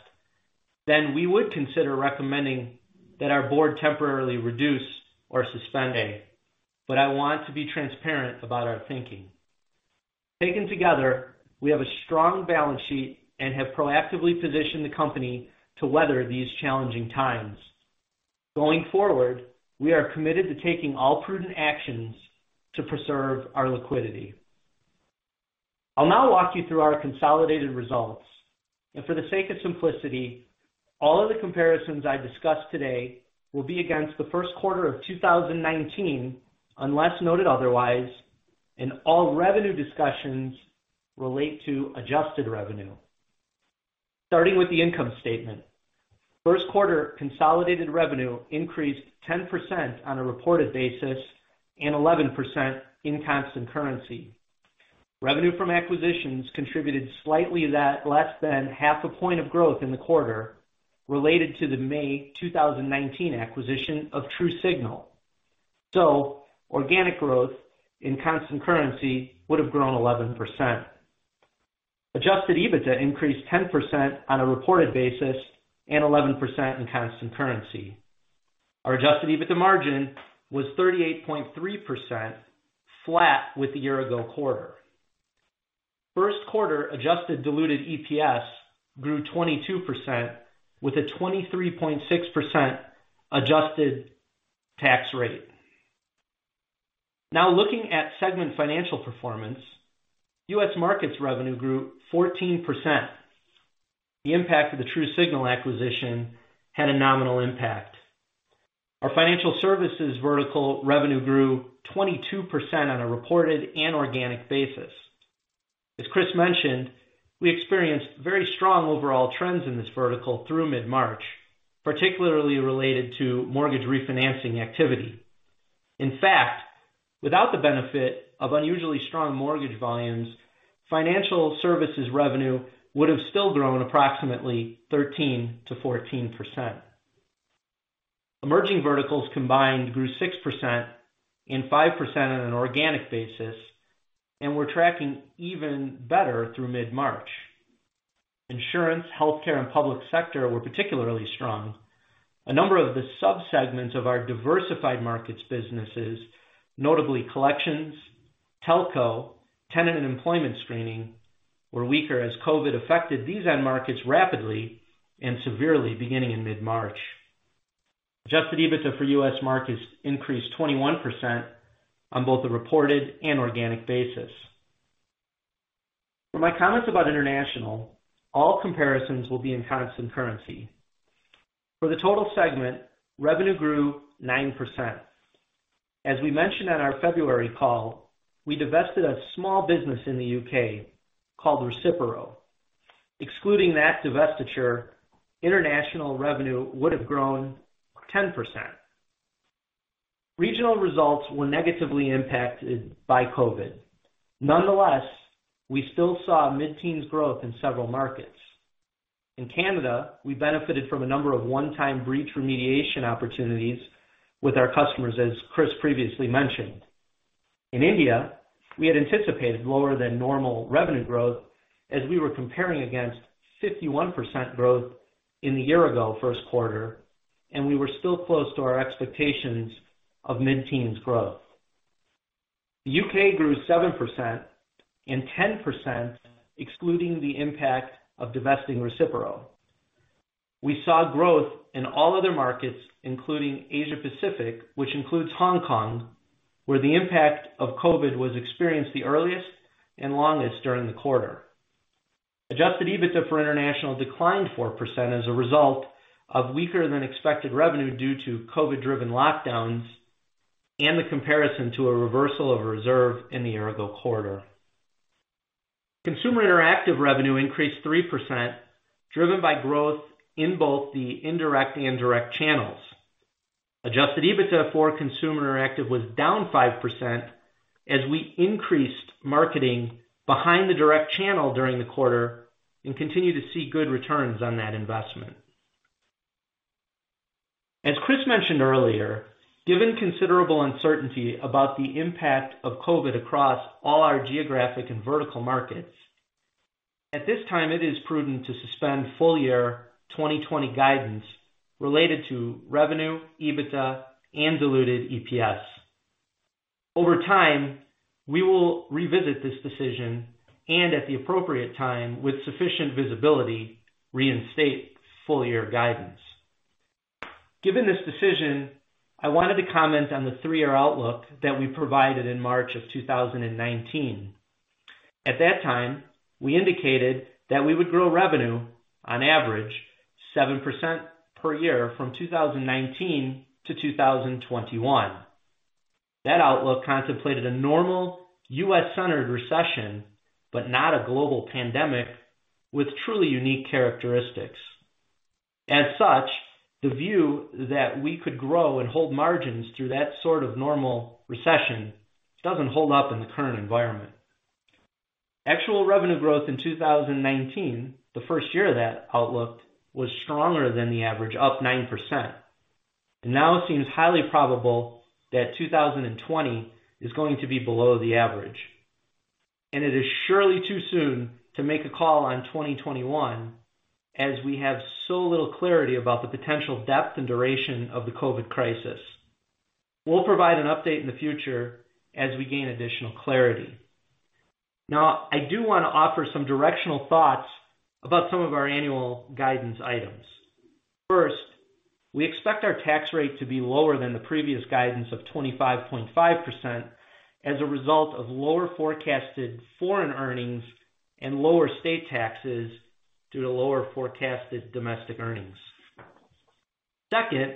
then we would consider recommending that our Board temporarily reduce or suspend. But I want to be transparent about our thinking. Taken together, we have a strong balance sheet and have proactively positioned the company to weather these challenging times. Going forward, we are committed to taking all prudent actions to preserve our liquidity. I'll now walk you through our consolidated results. And for the sake of simplicity, all of the comparisons I discussed today will be against the first quarter of 2019 unless noted otherwise, and all revenue discussions relate to adjusted revenue. Starting with the income statement, first quarter consolidated revenue increased 10% on a reported basis and 11% in constant currency. Revenue from acquisitions contributed slightly less than half a point of growth in the quarter related to the May 2019 acquisition of TruSignal. So organic growth in constant currency would have grown 11%. Adjusted EBITDA increased 10% on a reported basis and 11% in constant currency. Our adjusted EBITDA margin was 38.3%, flat with the year-ago quarter. First quarter adjusted diluted EPS grew 22% with a 23.6% adjusted tax rate. Now looking at segment financial performance, U.S. Markets revenue grew 14%. The impact of the TruSignal acquisition had a nominal impact. Our Financial Services vertical revenue grew 22% on a reported and organic basis. As Chris mentioned, we experienced very strong overall trends in this vertical through mid-March, particularly related to mortgage refinancing activity. In fact, without the benefit of unusually strong mortgage volumes, Financial Services revenue would have still grown approximately 13%-14%. Emerging Verticals combined grew 6% and 5% on an organic basis, and we're tracking even better through mid-March. Insurance, Healthcare, and Public Sector were particularly strong. A number of the subsegments of our diversified markets businesses, notably collections, Telco, tenant and employment screening, were weaker as COVID affected these end markets rapidly and severely beginning in mid-March. Adjusted EBITDA for U.S. Markets increased 21% on both a reported and organic basis. For my comments about International, all comparisons will be in constant currency. For the total segment, revenue grew 9%. As we mentioned on our February call, we divested a small business in the U.K. called Recipero. Excluding that divestiture, International revenue would have grown 10%. Regional results were negatively impacted by COVID. Nonetheless, we still saw mid-teens growth in several markets. In Canada, we benefited from a number of one-time breach remediation opportunities with our customers, as Chris previously mentioned. In India, we had anticipated lower than normal revenue growth as we were comparing against 51% growth in the year-ago first quarter, and we were still close to our expectations of mid-teens growth. The U.K. grew 7% and 10%, excluding the impact of divesting Recipero. We saw growth in all other markets, including Asia-Pacific, which includes Hong Kong, where the impact of COVID was experienced the earliest and longest during the quarter. Adjusted EBITDA for International declined 4% as a result of weaker than expected revenue due to COVID-driven lockdowns and the comparison to a reversal of a reserve in the year-ago quarter. Consumer Interactive revenue increased 3%, driven by growth in both the indirect and direct channels. Adjusted EBITDA for Consumer Interactive was down 5% as we increased marketing behind the direct channel during the quarter and continue to see good returns on that investment. As Chris mentioned earlier, given considerable uncertainty about the impact of COVID across all our geographic and vertical markets, at this time, it is prudent to suspend full year 2020 guidance related to revenue, EBITDA, and diluted EPS. Over time, we will revisit this decision and, at the appropriate time, with sufficient visibility, reinstate full year guidance. Given this decision, I wanted to comment on the three-year outlook that we provided in March of 2019. At that time, we indicated that we would grow revenue on average 7% per year from 2019 to 2021. That outlook contemplated a normal U.S.-centered recession, but not a global pandemic with truly unique characteristics. As such, the view that we could grow and hold margins through that sort of normal recession doesn't hold up in the current environment. Actual revenue growth in 2019, the first year of that outlook, was stronger than the average, up 9%, and now it seems highly probable that 2020 is going to be below the average, and it is surely too soon to make a call on 2021 as we have so little clarity about the potential depth and duration of the COVID crisis. We'll provide an update in the future as we gain additional clarity. Now, I do want to offer some directional thoughts about some of our annual guidance items. First, we expect our tax rate to be lower than the previous guidance of 25.5% as a result of lower forecasted foreign earnings and lower state taxes due to lower forecasted domestic earnings. Second,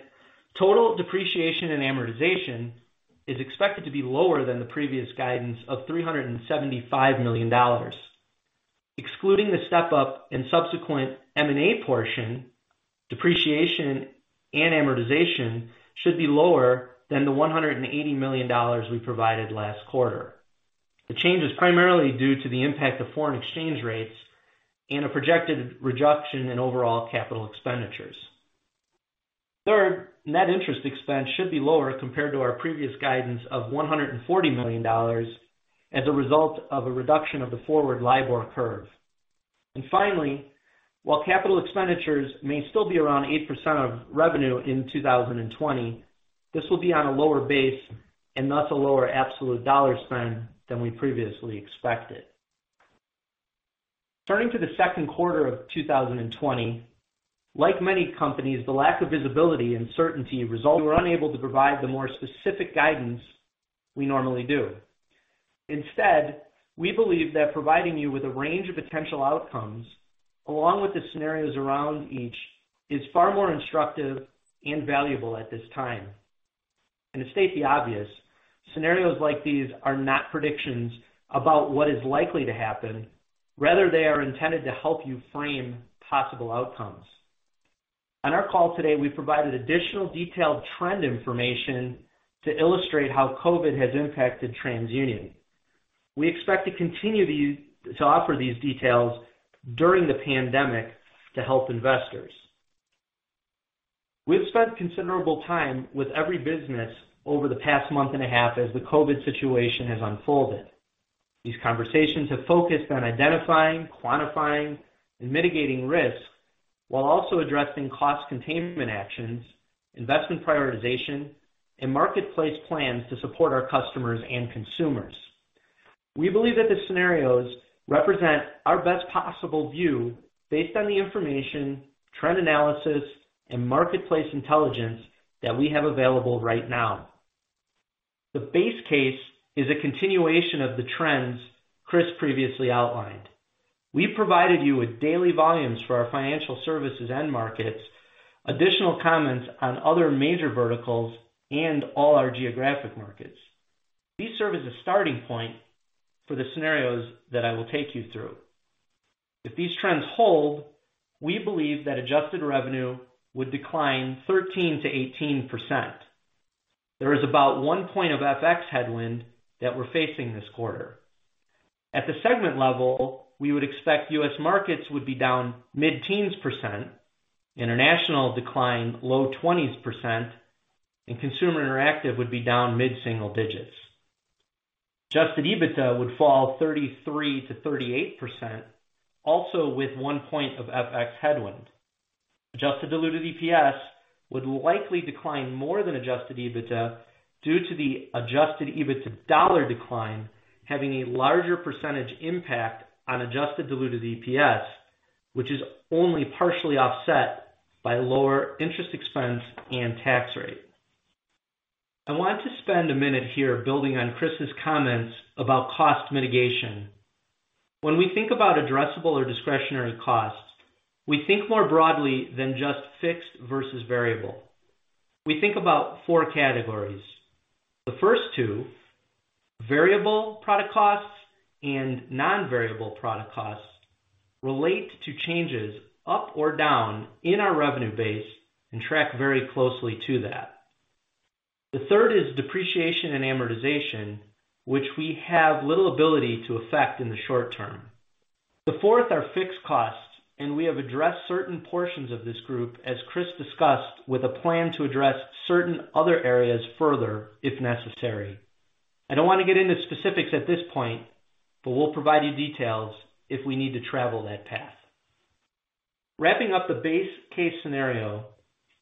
total depreciation and amortization is expected to be lower than the previous guidance of $375 million. Excluding the step-up and subsequent M&A portion, depreciation and amortization should be lower than the $180 million we provided last quarter. The change is primarily due to the impact of foreign exchange rates and a projected reduction in overall capital expenditures. Third, net interest expense should be lower compared to our previous guidance of $140 million as a result of a reduction of the forward LIBOR curve. And finally, while capital expenditures may still be around 8% of revenue in 2020, this will be on a lower base and thus a lower absolute dollar spend than we previously expected. Turning to the second quarter of 2020, like many companies, the lack of visibility and certainty resulted in us being unable to provide the more specific guidance we normally do. Instead, we believe that providing you with a range of potential outcomes along with the scenarios around each is far more instructive and valuable at this time. And to state the obvious, scenarios like these are not predictions about what is likely to happen. Rather, they are intended to help you frame possible outcomes. On our call today, we provided additional detailed trend information to illustrate how COVID has impacted TransUnion. We expect to continue to offer these details during the pandemic to help investors. We've spent considerable time with every business over the past month and a half as the COVID situation has unfolded. These conversations have focused on identifying, quantifying, and mitigating risk while also addressing cost containment actions, investment prioritization, and marketplace plans to support our customers and consumers. We believe that the scenarios represent our best possible view based on the information, trend analysis, and marketplace intelligence that we have available right now. The base case is a continuation of the trends Chris previously outlined. We've provided you with daily volumes for our Financial Services end markets, additional comments on other major verticals, and all our geographic markets. These serve as a starting point for the scenarios that I will take you through. If these trends hold, we believe that adjusted revenue would decline 13%-18%. There is about one point of FX headwind that we're facing this quarter. At the segment level, we would expect U.S. Markets would be down mid-teens percent, International decline low 20s percent, and Consumer Interactive would be down mid-single digits. Adjusted EBITDA would fall 33%-38%, also with one point of FX headwind. Adjusted diluted EPS would likely decline more than adjusted EBITDA due to the adjusted EBITDA dollar decline having a larger percentage impact on adjusted diluted EPS, which is only partially offset by lower interest expense and tax rate. I want to spend a minute here building on Chris's comments about cost mitigation. When we think about addressable or discretionary costs, we think more broadly than just fixed versus variable. We think about four categories. The first two, variable product costs and non-variable product costs, relate to changes up or down in our revenue base and track very closely to that. The third is depreciation and amortization, which we have little ability to affect in the short-term. The fourth are fixed costs, and we have addressed certain portions of this group, as Chris discussed, with a plan to address certain other areas further if necessary. I don't want to get into specifics at this point, but we'll provide you details if we need to travel that path. Wrapping up the base case scenario,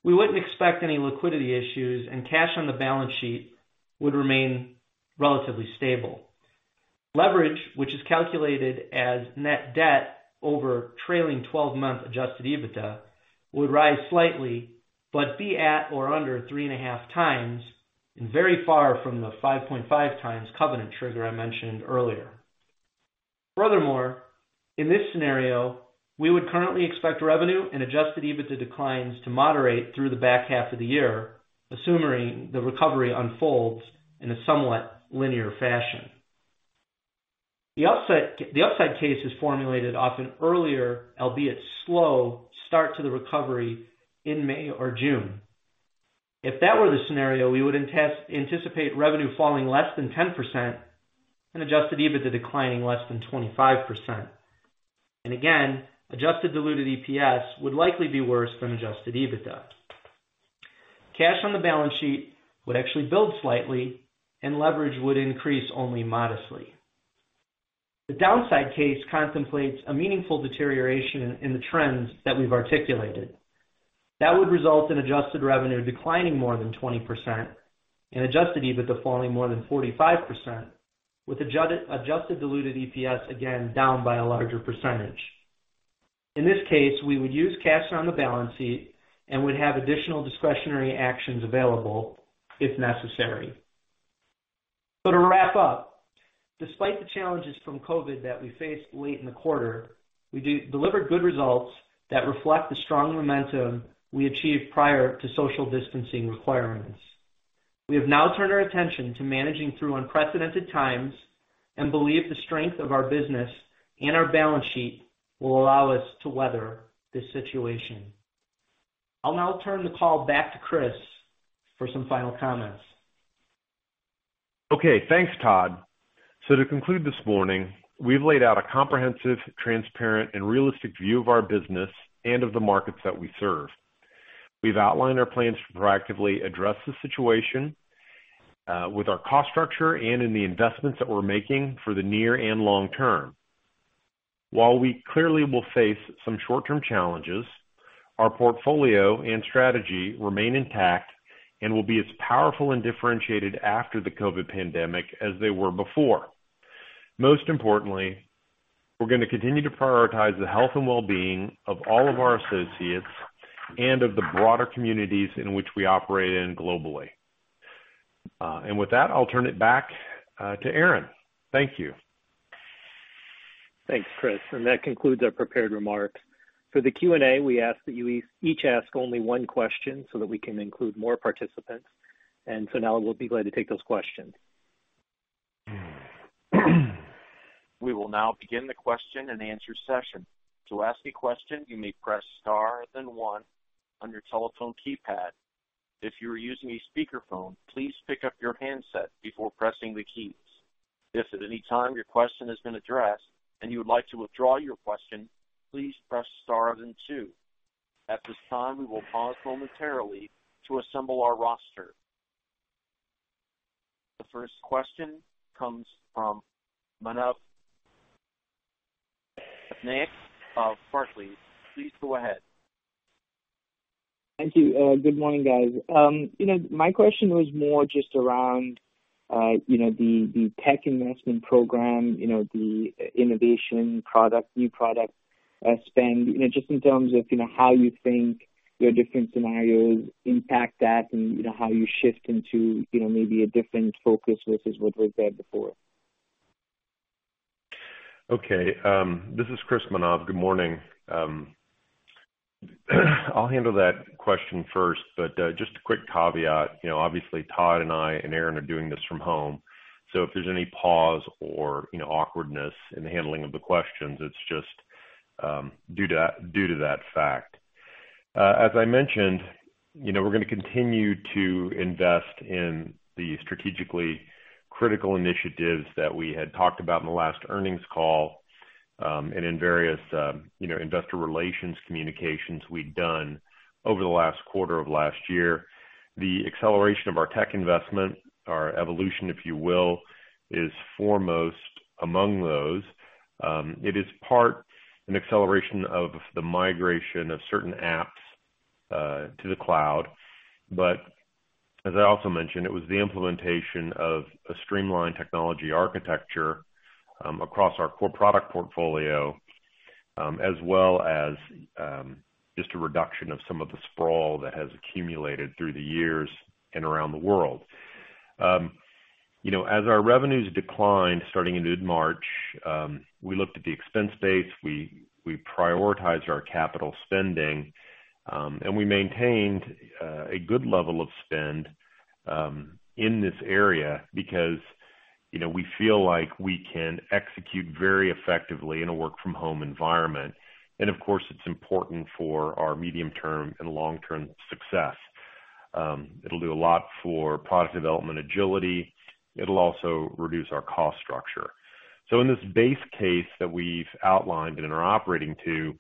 we wouldn't expect any liquidity issues, and cash on the balance sheet would remain relatively stable. Leverage, which is calculated as net debt over trailing 12-month adjusted EBITDA, would rise slightly, but be at or under 3.5x and very far from the 5.5x covenant trigger I mentioned earlier. Furthermore, in this scenario, we would currently expect revenue and adjusted EBITDA declines to moderate through the back half of the year, assuming the recovery unfolds in a somewhat linear fashion. The offset case is formulated off an earlier, albeit slow, start to the recovery in May or June. If that were the scenario, we would anticipate revenue falling less than 10% and adjusted EBITDA declining less than 25%. And again, adjusted diluted EPS would likely be worse than adjusted EBITDA. Cash on the balance sheet would actually build slightly, and leverage would increase only modestly. The downside case contemplates a meaningful deterioration in the trends that we've articulated. That would result in adjusted revenue declining more than 20% and adjusted EBITDA falling more than 45%, with adjusted diluted EPS again down by a larger percentage. In this case, we would use cash on the balance sheet and would have additional discretionary actions available if necessary. So to wrap up, despite the challenges from COVID that we faced late in the quarter, we delivered good results that reflect the strong momentum we achieved prior to social distancing requirements. We have now turned our attention to managing through unprecedented times and believe the strength of our business and our balance sheet will allow us to weather this situation. I'll now turn the call back to Chris for some final comments. Okay, thanks, Todd. So to conclude this morning, we've laid out a comprehensive, transparent, and realistic view of our business and of the markets that we serve. We've outlined our plans to proactively address the situation with our cost structure and in the investments that we're making for the near and long-term. While we clearly will face some short-term challenges, our portfolio and strategy remain intact and will be as powerful and differentiated after the COVID pandemic as they were before. Most importantly, we're going to continue to prioritize the health and well-being of all of our associates and of the broader communities in which we operate globally. And with that, I'll turn it back to Aaron. Thank you. Thanks, Chris. And that concludes our prepared remarks. For the Q&A, we ask that you each ask only one question so that we can include more participants, and so now we'll be glad to take those questions. We will now begin the question-and-answer session. To ask a question, you may press star then one on your telephone keypad. If you are using a speakerphone, please pick up your handset before pressing the keys. If at any time your question has been addressed and you would like to withdraw your question, please press star then two. At this time, we will pause momentarily to assemble our roster. The first question comes from Manav Patnaik of Barclays. Please go ahead. Thank you. Good morning, guys. My question was more just around the tech investment program, the innovation product, new product spend, just in terms of how you think your different scenarios impact that and how you shift into maybe a different focus versus what was there before. Okay. This is Chris, Manav. Good morning. I'll handle that question first, but just a quick caveat. Obviously, Todd and I and Aaron are doing this from home. So if there's any pause or awkwardness in the handling of the questions, it's just due to that fact. As I mentioned, we're going to continue to invest in the strategically critical initiatives that we had talked about in the last earnings call and in various investor relations communications we'd done over the last quarter of last year. The acceleration of our tech investment, our evolution, if you will, is foremost among those. It is part of an acceleration of the migration of certain apps to the cloud, but as I also mentioned, it was the implementation of a streamlined technology architecture across our core product portfolio, as well as just a reduction of some of the sprawl that has accumulated through the years and around the world. As our revenues declined starting in mid-March, we looked at the expense base. We prioritized our capital spending, and we maintained a good level of spend in this area because we feel like we can execute very effectively in a work-from-home environment, and of course, it's important for our medium-term and long-term success. It'll do a lot for product development agility. It'll also reduce our cost structure, so in this base case that we've outlined and are operating to,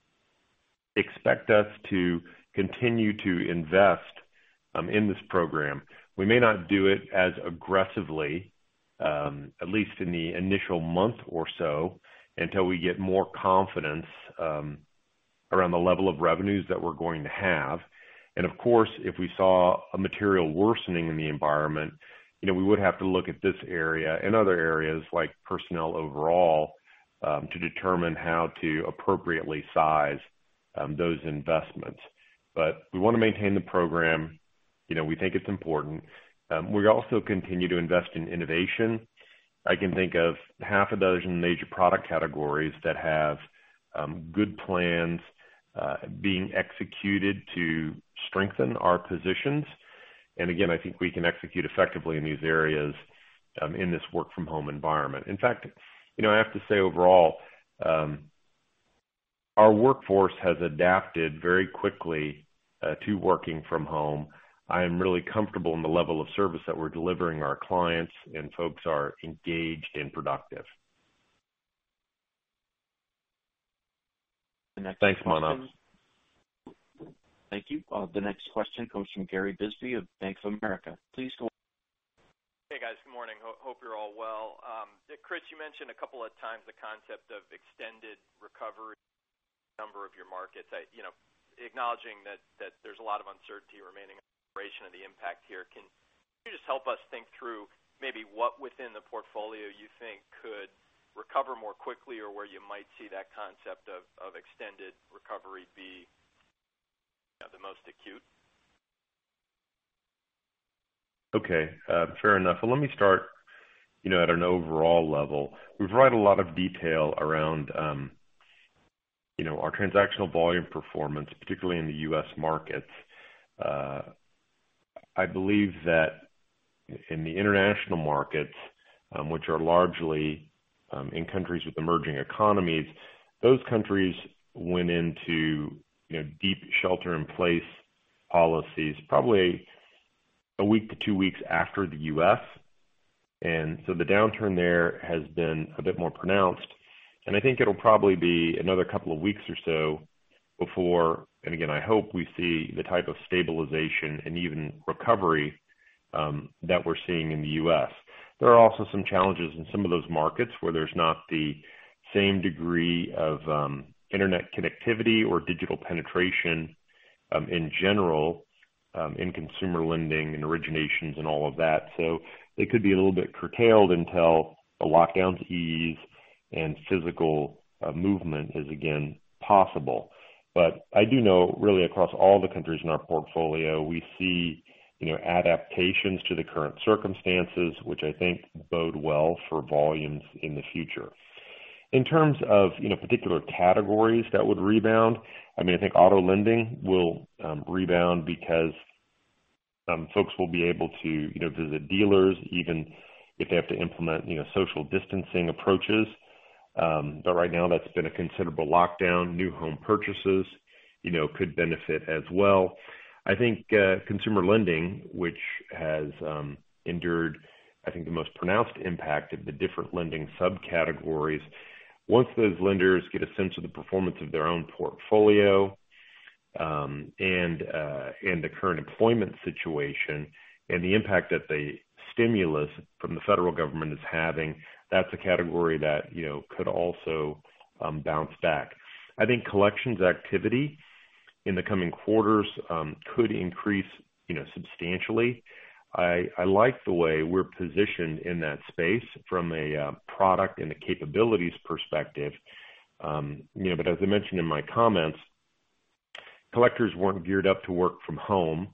expect us to continue to invest in this program. We may not do it as aggressively, at least in the initial month or so, until we get more confidence around the level of revenues that we're going to have, and of course, if we saw a material worsening in the environment, we would have to look at this area and other areas like personnel overall to determine how to appropriately size those investments, but we want to maintain the program. We think it's important. We also continue to invest in innovation. I can think of half a dozen major product categories that have good plans being executed to strengthen our positions, and again, I think we can execute effectively in these areas in this work-from-home environment. In fact, I have to say overall, our workforce has adapted very quickly to working from home. I am really comfortable in the level of service that we're delivering our clients, and folks are engaged and productive. Thanks, Manav. Thank you. The next question comes from Gary Bisbee of Bank of America. Please go ahead. Hey, guys. Good morning. Hope you're all well. Chris, you mentioned a couple of times the concept of extended recovery in a number of your markets. Acknowledging that there's a lot of uncertainty remaining in the duration of the impact here, can you just help us think through maybe what within the portfolio you think could recover more quickly or where you might see that concept of extended recovery be the most acute? Okay. Fair enough. Well, let me start at an overall level. We've provided a lot of detail around our transactional volume performance, particularly in the U.S. Markets. I believe that in the International markets, which are largely in countries with emerging economies, those countries went into deep shelter-in-place policies probably a week to two weeks after the U.S. And so the downturn there has been a bit more pronounced. And I think it'll probably be another couple of weeks or so before, and again, I hope we see the type of stabilization and even recovery that we're seeing in the U.S. There are also some challenges in some of those markets where there's not the same degree of Internet connectivity or digital penetration in general in consumer lending and originations and all of that. So they could be a little bit curtailed until the lockdowns ease and physical movement is again possible. But I do know really across all the countries in our portfolio, we see adaptations to the current circumstances, which I think bode well for volumes in the future. In terms of particular categories that would rebound, I mean, I think auto lending will rebound because folks will be able to visit dealers even if they have to implement social distancing approaches. But right now, that's been a considerable lockdown. New home purchases could benefit as well. I think consumer lending, which has endured, I think, the most pronounced impact of the different lending subcategories, once those lenders get a sense of the performance of their own portfolio and the current employment situation and the impact that the stimulus from the federal government is having, that's a category that could also bounce back. I think collections activities in the coming quarters could increase substantially. I like the way we're positioned in that space from a product and a capabilities perspective. But as I mentioned in my comments, collectors weren't geared up to work from home,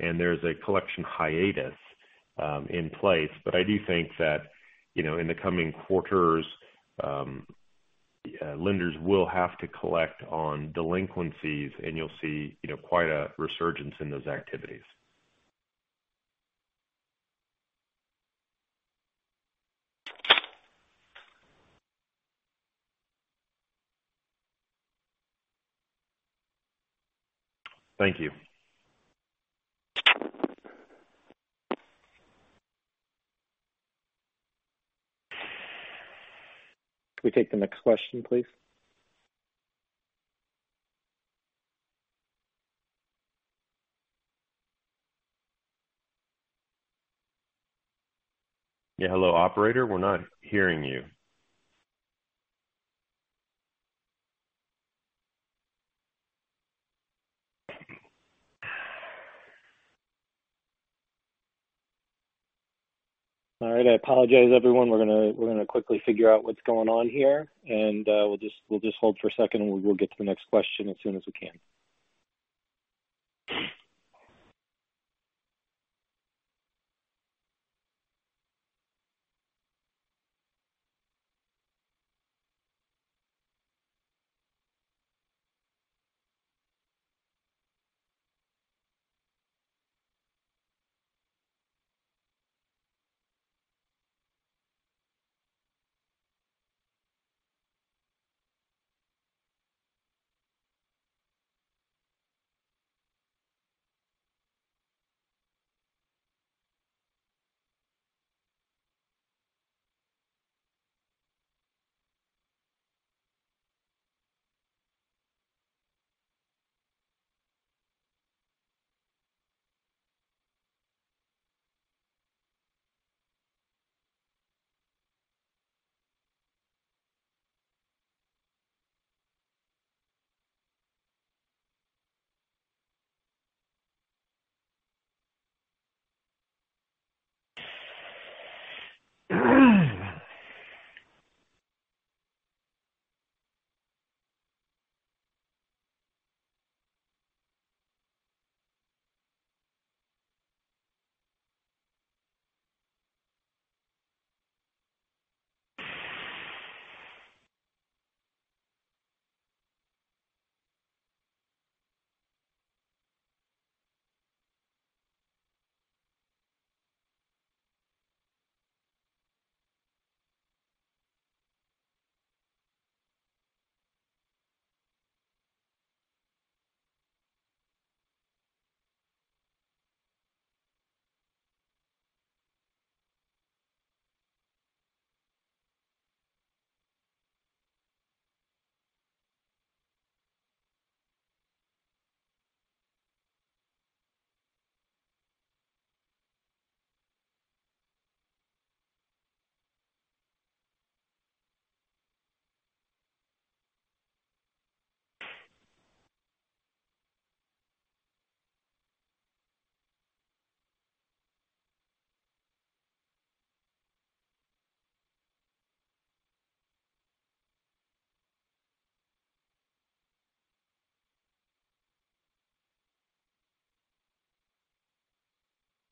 and there's a collection hiatus in place. But I do think that in the coming quarters, lenders will have to collect on delinquencies, and you'll see quite a resurgence in those activities. Can we take the next question, please? Yeah. Hello, operator. We're not hearing you. All right. I apologize, everyone. We're going to quickly figure out what's going on here, and we'll just hold for a second, and we'll get to the next question as soon as we can.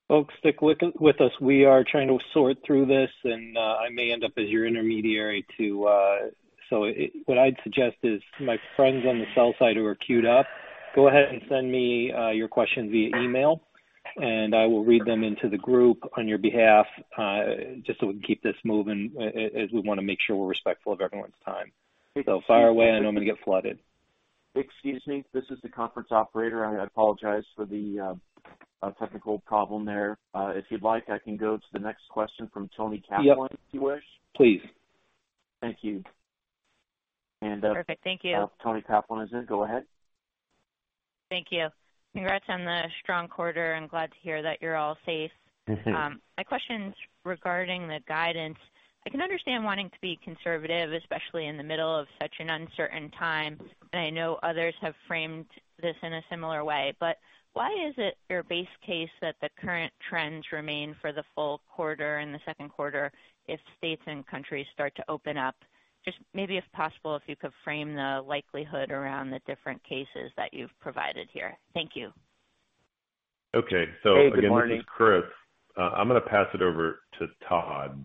Folks, stick with us. We are trying to sort through this, and I may end up as your intermediary too. So what I'd suggest is my friends on the sell side who are queued up, go ahead and send me your questions via email, and I will read them into the group on your behalf just so we can keep this moving as we want to make sure we're respectful of everyone's time. So fire away. I know I'm going to get flooded. Excuse me. This is the conference operator. I apologize for the technical problem there. If you'd like, I can go to the next question from Toni Kaplan if you wish. Please. Thank you. And Toni Kaplan is in. Go ahead. Thank you. Congrats on the strong quarter. I'm glad to hear that you're all safe. My question's regarding the guidance. I can understand wanting to be conservative, especially in the middle of such an uncertain time. I know others have framed this in a similar way. Why is it your base case that the current trends remain for the full quarter and the second quarter if states and countries start to open up? Just maybe if possible, if you could frame the likelihood around the different cases that you've provided here. Thank you. Okay. Again, this is Chris. I'm going to pass it over to Todd,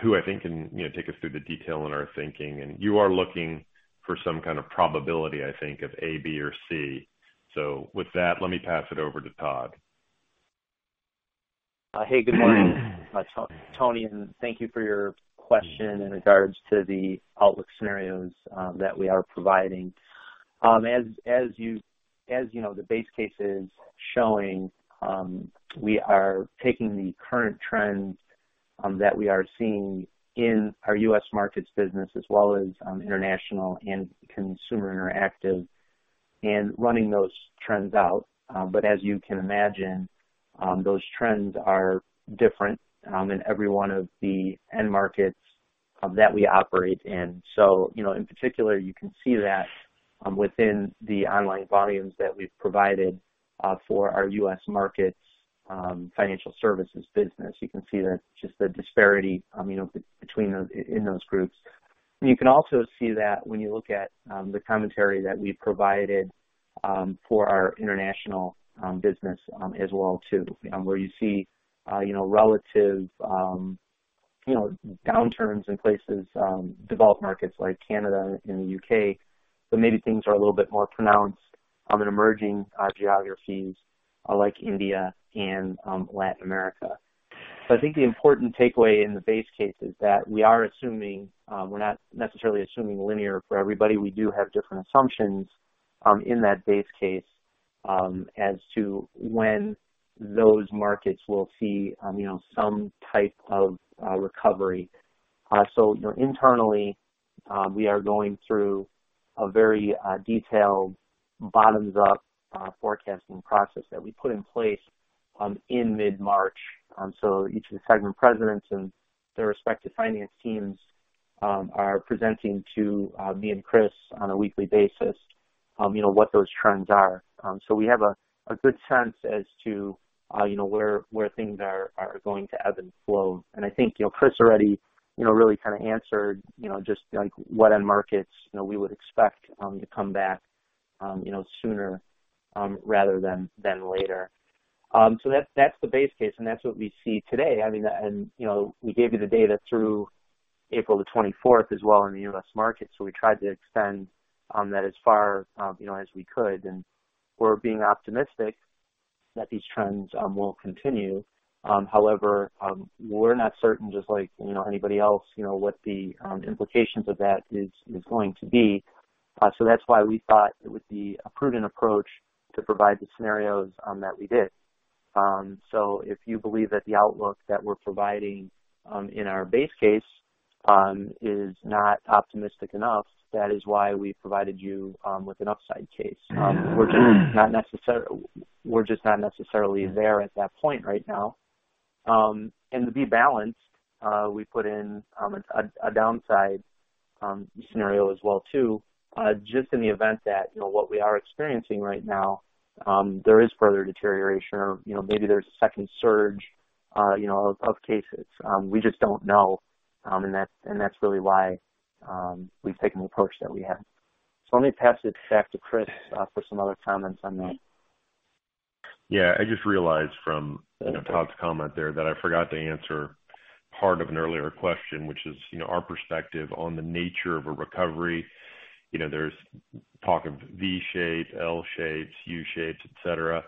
who I think can take us through the detail in our thinking. You are looking for some kind of probability, I think, of A, B, or C. With that, let me pass it over to Todd. Hey, good morning. Toni, and thank you for your question in regards to the outlook scenarios that we are providing. As you know, the base case is showing we are taking the current trend that we are seeing in our U.S. Markets business as well as International and Consumer Interactive and running those trends out. But as you can imagine, those trends are different in every one of the end markets that we operate in. So in particular, you can see that within the online volumes that we've provided for our U.S. Markets Financial Services business. You can see just the disparity between in those groups. And you can also see that when you look at the commentary that we provided for our International business as well too, where you see relative downturns in places, developed markets like Canada and the U.K., but maybe things are a little bit more pronounced in emerging geographies like India and Latin America. So I think the important takeaway in the base case is that we are assuming we're not necessarily assuming linear for everybody. We do have different assumptions in that base case as to when those markets will see some type of recovery. So internally, we are going through a very detailed bottom-up forecasting process that we put in place in mid-March. So each of the segment Presidents and their respective finance teams are presenting to me and Chris on a weekly basis what those trends are. So we have a good sense as to where things are going to ebb and flow. And I think Chris already really kind of answered just what end markets we would expect to come back sooner rather than later. So that's the base case, and that's what we see today. I mean, we gave you the data through April the 24th as well in the U.S. Markets. So we tried to extend that as far as we could. And we're being optimistic that these trends will continue. However, we're not certain, just like anybody else, what the implications of that is going to be. So that's why we thought it would be a prudent approach to provide the scenarios that we did. So if you believe that the outlook that we're providing in our base case is not optimistic enough, that is why we provided you with an upside case. We're just not necessarily there at that point right now. And to be balanced, we put in a downside scenario as well too, just in the event that what we are experiencing right now, there is further deterioration or maybe there's a second surge of cases. We just don't know. And that's really why we've taken the approach that we have. So let me pass it back to Chris for some other comments on that. Yeah. I just realized from Todd's comment there that I forgot to answer part of an earlier question, which is our perspective on the nature of a recovery. There's talk of V-shapes, L-shapes, U-shapes, etc.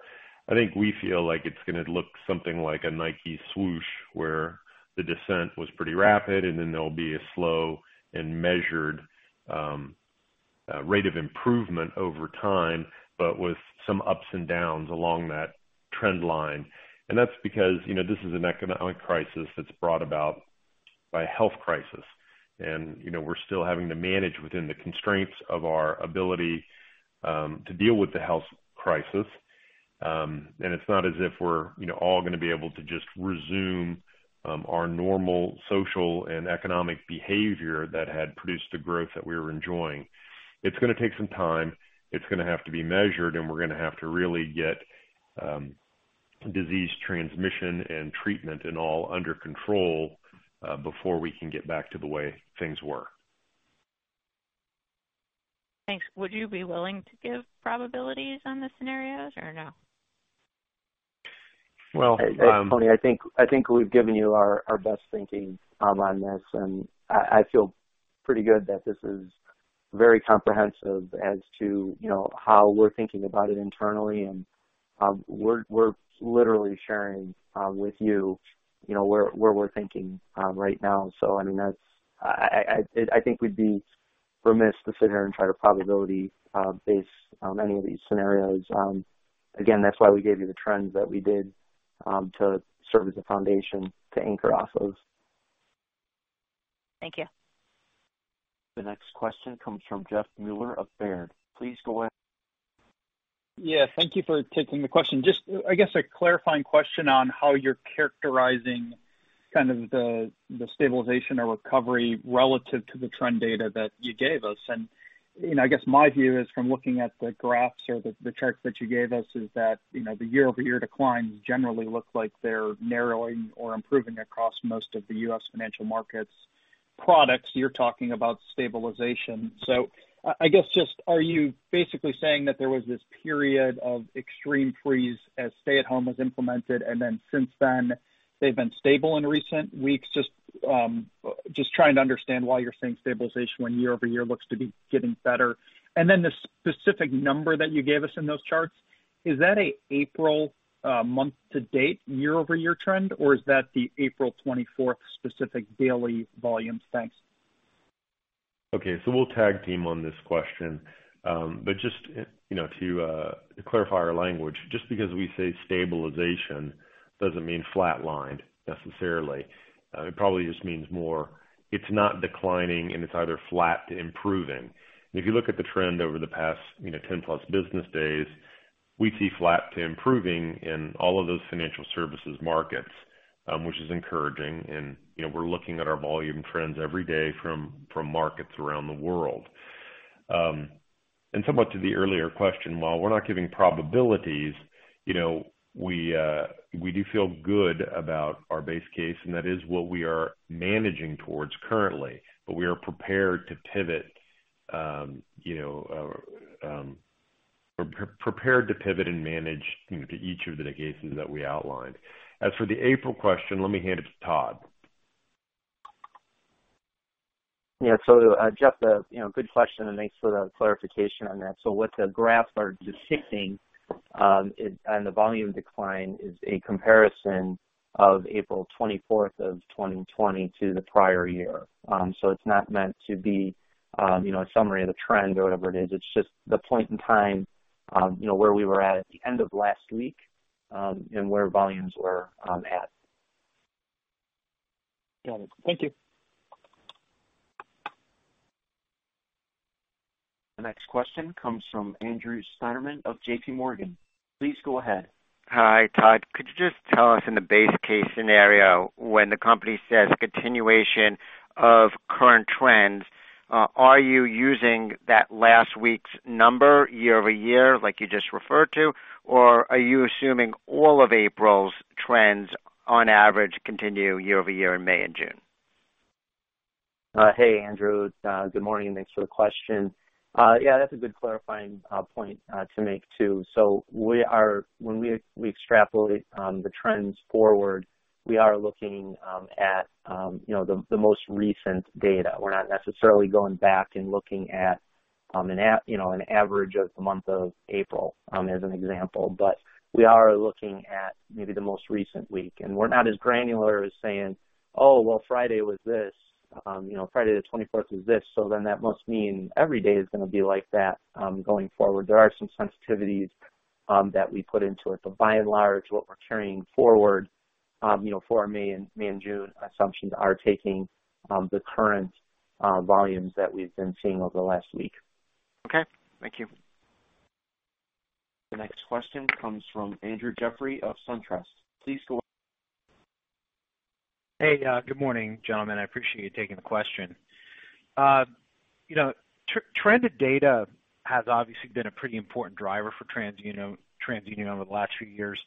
I think we feel like it's going to look something like a Nike Swoosh where the descent was pretty rapid, and then there'll be a slow and measured rate of improvement over time, but with some ups and downs along that trend line. And that's because this is an economic crisis that's brought about by a health crisis. And we're still having to manage within the constraints of our ability to deal with the health crisis. It's not as if we're all going to be able to just resume our normal social and economic behavior that had produced the growth that we were enjoying. It's going to take some time. It's going to have to be measured, and we're going to have to really get disease transmission and treatment and all under control before we can get back to the way things were. Thanks. Would you be willing to give probabilities on the scenarios or no? Well Toni, I think we've given you our best thinking on this. And I feel pretty good that this is very comprehensive as to how we're thinking about it internally. And we're literally sharing with you where we're thinking right now. So I mean, I think we'd be remiss to sit here and try to probability base any of these scenarios. Again, that's why we gave you the trends that we did to serve as a foundation to anchor off of. Thank you. The next question comes from Jeff Meuler of Baird. Please go ahead. Yeah. Thank you for taking the question. Just, I guess, a clarifying question on how you're characterizing kind of the stabilization or recovery relative to the trend data that you gave us. And I guess my view is from looking at the graphs or the charts that you gave us is that the year-over-year declines generally look like they're narrowing or improving across most of the U.S. financial markets. Products, you're talking about stabilization. So I guess just are you basically saying that there was this period of extreme freeze as stay-at-home was implemented, and then since then they've been stable in recent weeks? Just trying to understand why you're saying stabilization when year-over-year looks to be getting better, and then the specific number that you gave us in those charts, is that an April month-to-date year-over-year trend, or is that the April 24th specific daily volume spikes? Okay, so we'll tag team on this question, but just to clarify our language, just because we say stabilization doesn't mean flatlined necessarily. It probably just means more it's not declining, and it's either flat to improving, and if you look at the trend over the past 10+ business days, we see flat to improving in all of those Financial Services markets, which is encouraging, and we're looking at our volume trends every day from markets around the world. And somewhat to the earlier question, while we're not giving probabilities, we do feel good about our base case, and that is what we are managing towards currently. But we are prepared to pivot and manage to each of the cases that we outlined. As for the April question, let me hand it to Todd. Yeah. So Jeff, good question, and thanks for the clarification on that. So what the graphs are depicting on the volume decline is a comparison of April 24th of 2020 to the prior year. So it's not meant to be a summary of the trend or whatever it is. It's just the point in time where we were at the end of last week and where volumes were at. Got it. Thank you. The next question comes from Andrew Steinerman of JPMorgan. Please go ahead. Hi, Todd. Could you just tell us in the base case scenario when the company says continuation of current trends, are you using that last week's number, year-over-year, like you just referred to, or are you assuming all of April's trends on average continue year-over-year in May and June? Hey, Andrew. Good morning. Thanks for the question. Yeah, that's a good clarifying point to make too. So when we extrapolate the trends forward, we are looking at the most recent data. We're not necessarily going back and looking at an average of the month of April as an example. But we are looking at maybe the most recent week. And we're not as granular as saying, "Oh, well, Friday was this. Friday the 24th was this." So then that must mean every day is going to be like that going forward. There are some sensitivities that we put into it. But by and large, what we're carrying forward for May and June assumptions are taking the current volumes that we've been seeing over the last week. Okay. Thank you. The next question comes from Andrew Jeffrey of SunTrust. Please go ahead. Hey, good morning, gentlemen. I appreciate you taking the question. Trended data has obviously been a pretty important driver for TransUnion over the last few years.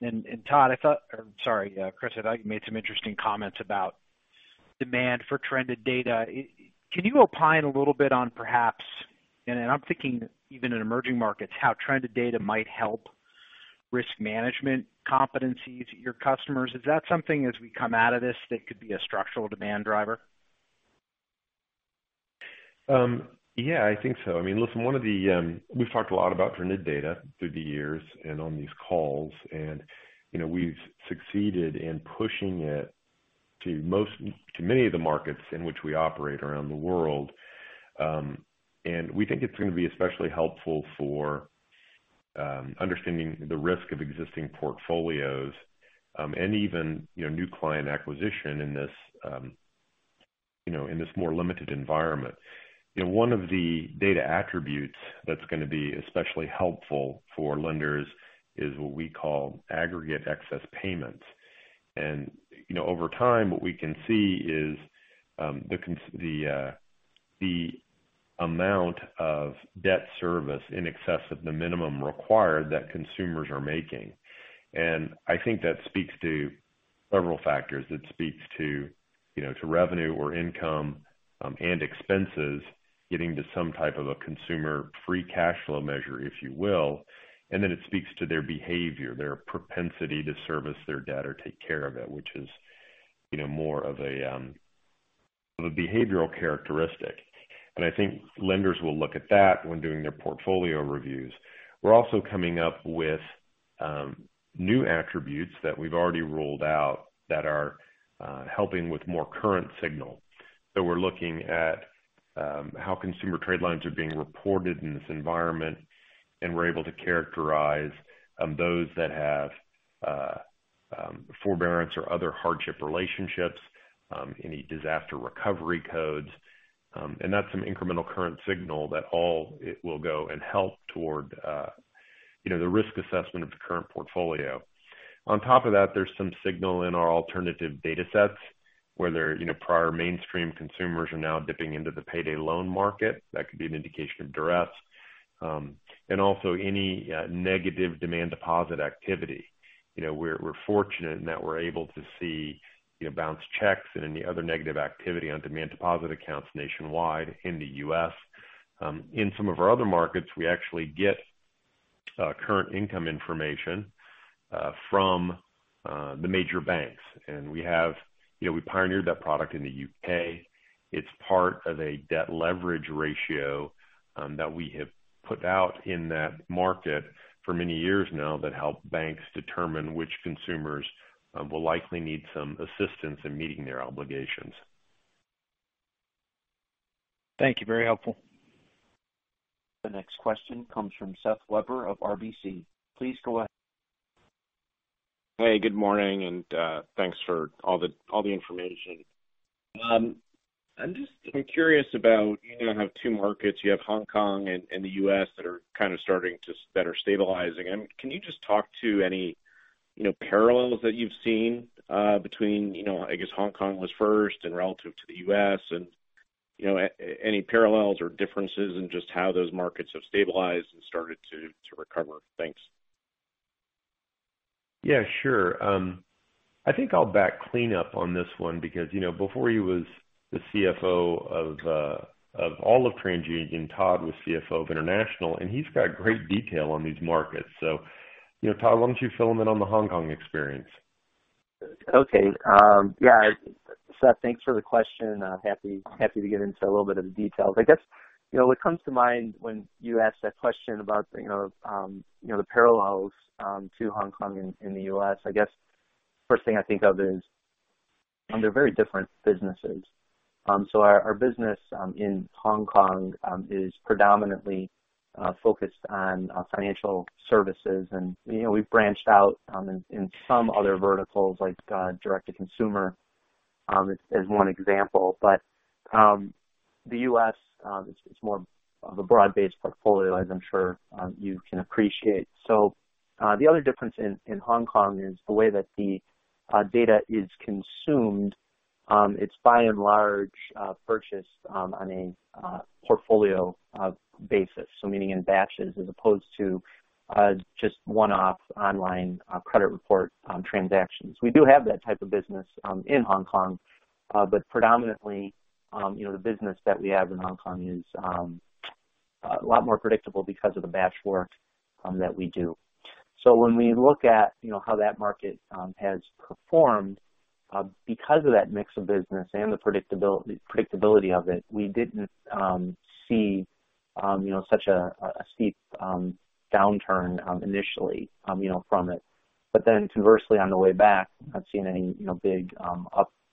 And Todd, I thought - sorry, Chris, I thought you made some interesting comments about demand for trended data. Can you opine a little bit on perhaps - and I'm thinking even in emerging markets - how trended data might help risk management competencies at your customers? Is that something as we come out of this that could be a structural demand driver? Yeah, I think so. I mean, listen, one of the - we've talked a lot about trended data through the years and on these calls. And we've succeeded in pushing it to many of the markets in which we operate around the world. And we think it's going to be especially helpful for understanding the risk of existing portfolios and even new client acquisition in this more limited environment. One of the data attributes that's going to be especially helpful for lenders is what we call Aggregate Excess Payments. And over time, what we can see is the amount of debt service in excess of the minimum required that consumers are making. And I think that speaks to several factors. It speaks to revenue or income and expenses getting to some type of a consumer free cash flow measure, if you will. And then it speaks to their behavior, their propensity to service their debt or take care of it, which is more of a behavioral characteristic. And I think lenders will look at that when doing their portfolio reviews. We're also coming up with new attributes that we've already rolled out that are helping with more current signal. So we're looking at how consumer trade lines are being reported in this environment, and we're able to characterize those that have forbearance or other hardship relationships, any disaster recovery codes. And that's some incremental current signal that all it will go and help toward the risk assessment of the current portfolio. On top of that, there's some signal in our alternative data sets where prior mainstream consumers are now dipping into the payday loan market. That could be an indication of duress. And also any negative demand deposit activity. We're fortunate in that we're able to see bounced checks and any other negative activity on demand deposit accounts nationwide in the U.S. In some of our other markets, we actually get current income information from the major banks. And we pioneered that product in the U.K. It's part of a debt leverage ratio that we have put out in that market for many years now that helps banks determine which consumers will likely need some assistance in meeting their obligations. Thank you. Very helpful. The next question comes from Seth Weber of RBC. Please go ahead. Hey, good morning. And thanks for all the information. I'm just curious about you now have two markets. You have Hong Kong and the U.S. that are kind of starting to—that are stabilizing. And can you just talk to any parallels that you've seen between, I guess, Hong Kong was first and relative to the U.S.? And any parallels or differences in just how those markets have stabilized and started to recover? Thanks. Yeah, sure. I think I'll bat cleanup on this one because before he was the CFO of all of TransUnion, Todd was CFO of International. And he's got great detail on these markets. So Todd, why don't you fill them in on the Hong Kong experience? Okay. Yeah. Seth, thanks for the question. Happy to get into a little bit of the details. I guess what comes to mind when you ask that question about the parallels to Hong Kong and the U.S., I guess the first thing I think of is they're very different businesses. So our business in Hong Kong is predominantly focused on Financial Services. And we've branched out in some other verticals like direct-to-consumer as one example. But the U.S., it's more of a broad-based portfolio, as I'm sure you can appreciate. So the other difference in Hong Kong is the way that the data is consumed. It's by and large purchased on a portfolio basis, so meaning in batches as opposed to just one-off online credit report transactions. We do have that type of business in Hong Kong, but predominantly, the business that we have in Hong Kong is a lot more predictable because of the batch work that we do. So when we look at how that market has performed, because of that mix of business and the predictability of it, we didn't see such a steep downturn initially from it. But then conversely, on the way back, I've seen a big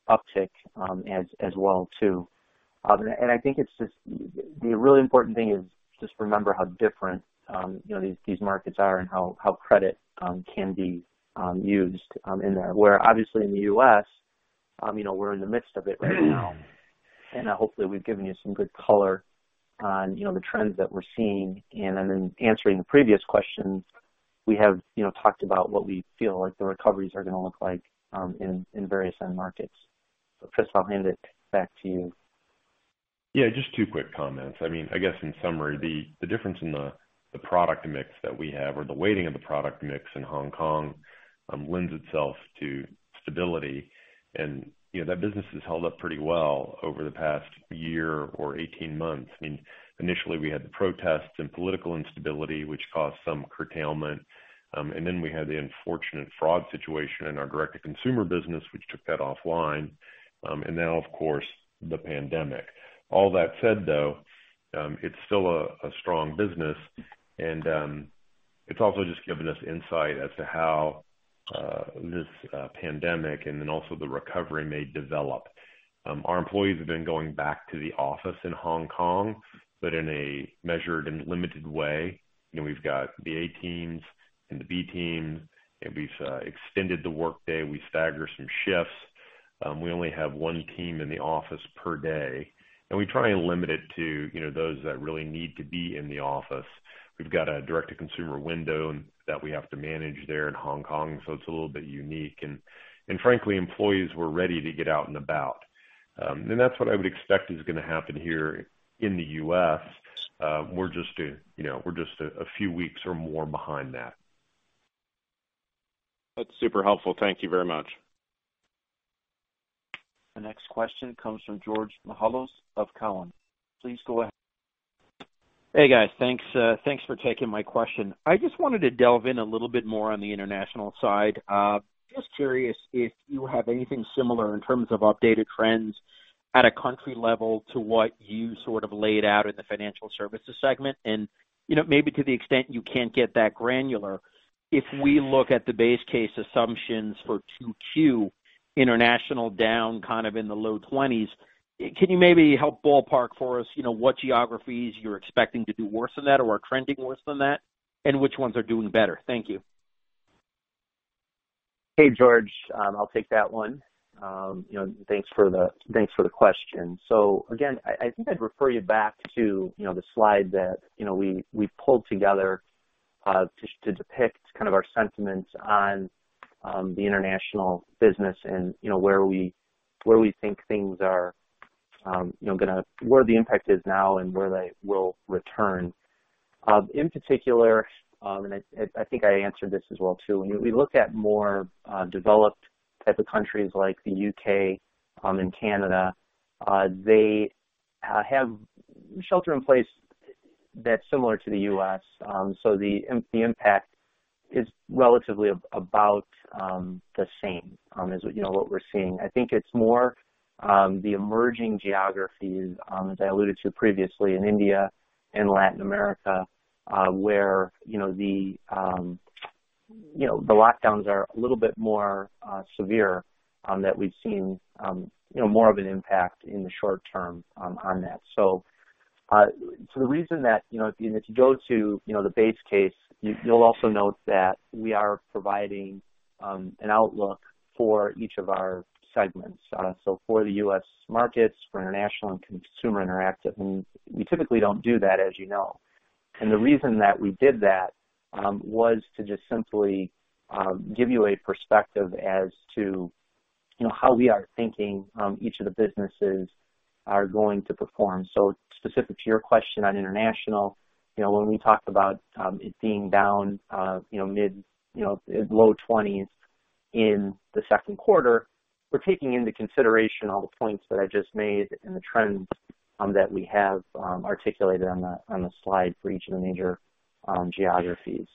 uptick as well too. And I think it's just the really important thing is just remember how different these markets are and how credit can be used in there. Where obviously in the U.S., we're in the midst of it right now. And hopefully, we've given you some good color on the trends that we're seeing. And then answering the previous question, we have talked about what we feel like the recoveries are going to look like in various end markets. But Chris, I'll hand it back to you. Yeah, just two quick comments. I mean, I guess in summary, the difference in the product mix that we have or the weighting of the product mix in Hong Kong lends itself to stability. And that business has held up pretty well over the past year or 18 months. I mean, initially, we had the protests and political instability, which caused some curtailment. And then we had the unfortunate fraud situation in our direct-to-consumer business, which took that offline. And now, of course, the pandemic. All that said, though, it's still a strong business. And it's also just given us insight as to how this pandemic and then also the recovery may develop. Our employees have been going back to the office in Hong Kong, but in a measured and limited way. We've got the A teams and the B teams. And we've extended the workday. We stagger some shifts. We only have one team in the office per day. And we try and limit it to those that really need to be in the office. We've got a direct-to-consumer window that we have to manage there in Hong Kong. So it's a little bit unique. And frankly, employees were ready to get out and about. And that's what I would expect is going to happen here in the U.S. We're just a few weeks or more behind that. That's super helpful. Thank you very much. The next question comes from George Mihalos of Cowen. Please go ahead. Hey, guys. Thanks for taking my question. I just wanted to delve in a little bit more on the International side. Just curious if you have anything similar in terms of updated trends at a country level to what you sort of laid out in the Financial Services segment. And maybe to the extent you can't get that granular, if we look at the base case assumptions for Q2 International down kind of in the low 20s, can you maybe help ballpark for us what geographies you're expecting to do worse than that or are trending worse than that? And which ones are doing better? Thank you. Hey, George. I'll take that one. Thanks for the question. So again, I think I'd refer you back to the slide that we pulled together to depict kind of our sentiments on the International business and where we think things are going to, where the impact is now and where they will return. In particular, and I think I answered this as well too, when we look at more developed type of countries like the U.K. and Canada, they have shelter in place that's similar to the U.S. So the impact is relatively about the same as what we're seeing. I think it's more the emerging geographies that I alluded to previously in India and Latin America where the lockdowns are a little bit more severe that we've seen more of an impact in the short-term on that. So the reason that if you go to the base case, you'll also note that we are providing an outlook for each of our segments. So for the U.S. Markets, for International and Consumer Interactive. And we typically don't do that, as you know. And the reason that we did that was to just simply give you a perspective as to how we are thinking each of the businesses are going to perform. So specific to your question on International, when we talked about it being down mid-low 20s in the second quarter, we're taking into consideration all the points that I just made and the trends that we have articulated on the slide for each of the major geographies.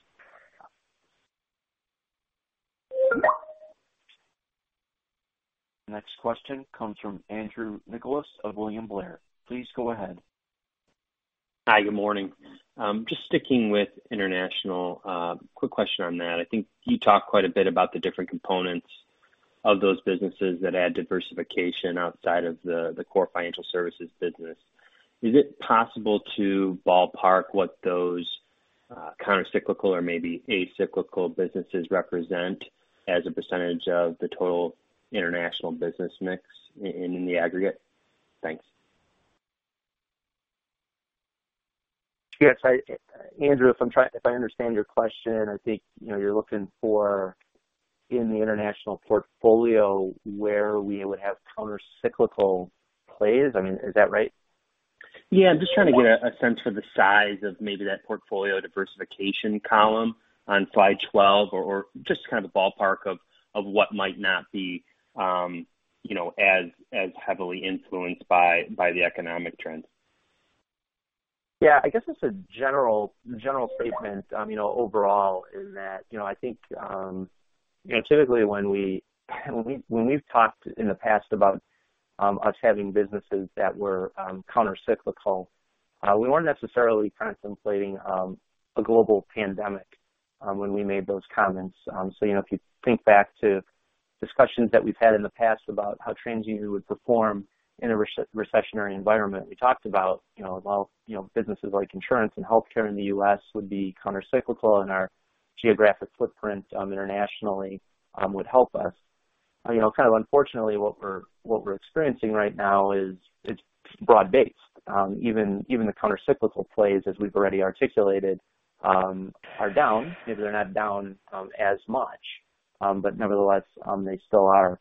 The next question comes from Andrew Nicholas of William Blair. Please go ahead. Hi, good morning. Just sticking with International, quick question on that. I think you talked quite a bit about the different components of those businesses that add diversification outside of the core Financial Services business. Is it possible to ballpark what those countercyclical or maybe acyclical businesses represent as a percentage of the total International business mix in the aggregate? Thanks. Yes. Andrew, if I understand your question, I think you're looking for in the International portfolio where we would have countercyclical plays. I mean, is that right? Yeah. I'm just trying to get a sense for the size of maybe that portfolio diversification column on slide 12 or just kind of a ballpark of what might not be as heavily influenced by the economic trends. Yeah. I guess it's a general statement overall in that I think typically when we've talked in the past about us having businesses that were countercyclical, we weren't necessarily contemplating a global pandemic when we made those comments. So if you think back to discussions that we've had in the past about how TransUnion would perform in a recessionary environment, we talked about, well, businesses like Insurance and Healthcare in the U.S. would be countercyclical, and our geographic footprint internationally would help us. Kind of unfortunately, what we're experiencing right now is it's broad-based. Even the countercyclical plays, as we've already articulated, are down. Maybe they're not down as much, but nevertheless, they still are.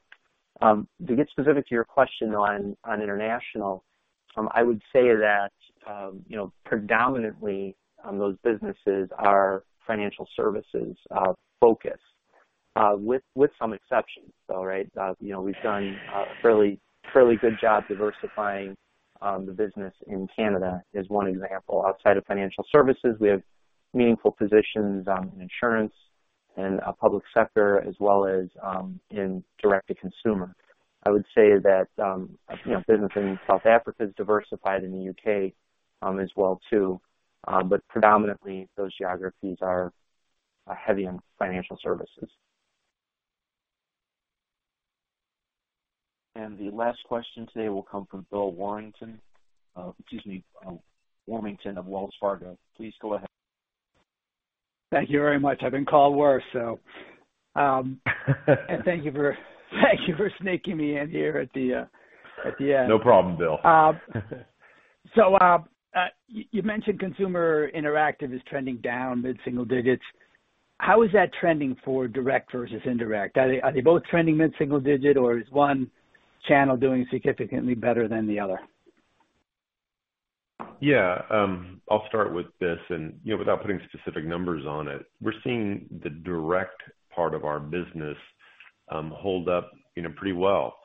To get specific to your question on International, I would say that predominantly those businesses are Financial Services focused, with some exceptions, though, right? We've done a fairly good job diversifying the business in Canada as one example. Outside of Financial Services, we have meaningful positions in Insurance and Public Sector as well as in direct-to-consumer. I would say that business in South Africa is diversified in the U.K. as well too, but predominantly those geographies are heavy on Financial Services. And the last question today will come from Bill Warmington of Wells Fargo. Please go ahead. Thank you very much. I've been called worse, though. And thank you for sneaking me in here at the end. No problem, Bill. So you mentioned Consumer Interactive is trending down mid-single digits. How is that trending for direct versus indirect? Are they both trending mid-single digit, or is one channel doing significantly better than the other? Yeah. I'll start with this. And without putting specific numbers on it, we're seeing the direct part of our business hold up pretty well.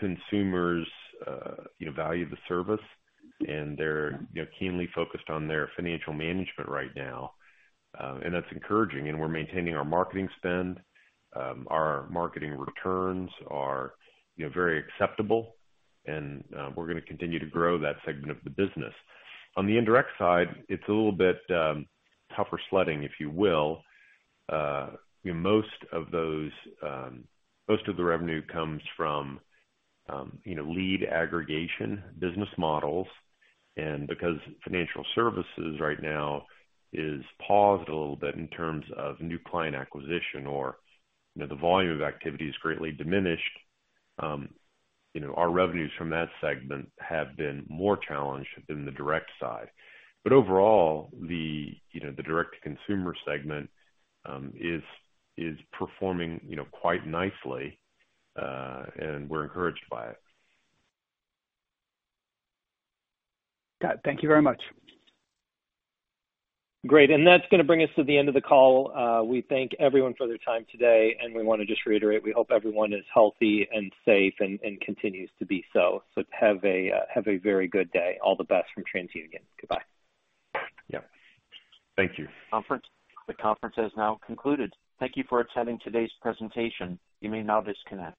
Consumers value the service, and they're keenly focused on their financial management right now. And that's encouraging. And we're maintaining our marketing spend. Our marketing returns are very acceptable. And we're going to continue to grow that segment of the business. On the indirect side, it's a little bit tougher sledding, if you will. Most of the revenue comes from lead aggregation business models. And because Financial Services right now is paused a little bit in terms of new client acquisition or the volume of activity is greatly diminished, our revenues from that segment have been more challenged than the direct side. But overall, the direct-to-consumer segment is performing quite nicely, and we're encouraged by it. Got it. Thank you very much. Great. That's going to bring us to the end of the call. We thank everyone for their time today. We want to just reiterate, we hope everyone is healthy and safe and continues to be so. Have a very good day. All the best from TransUnion. Goodbye. Yeah. Thank you. Conference has now concluded. Thank you for attending today's presentation. You may now disconnect.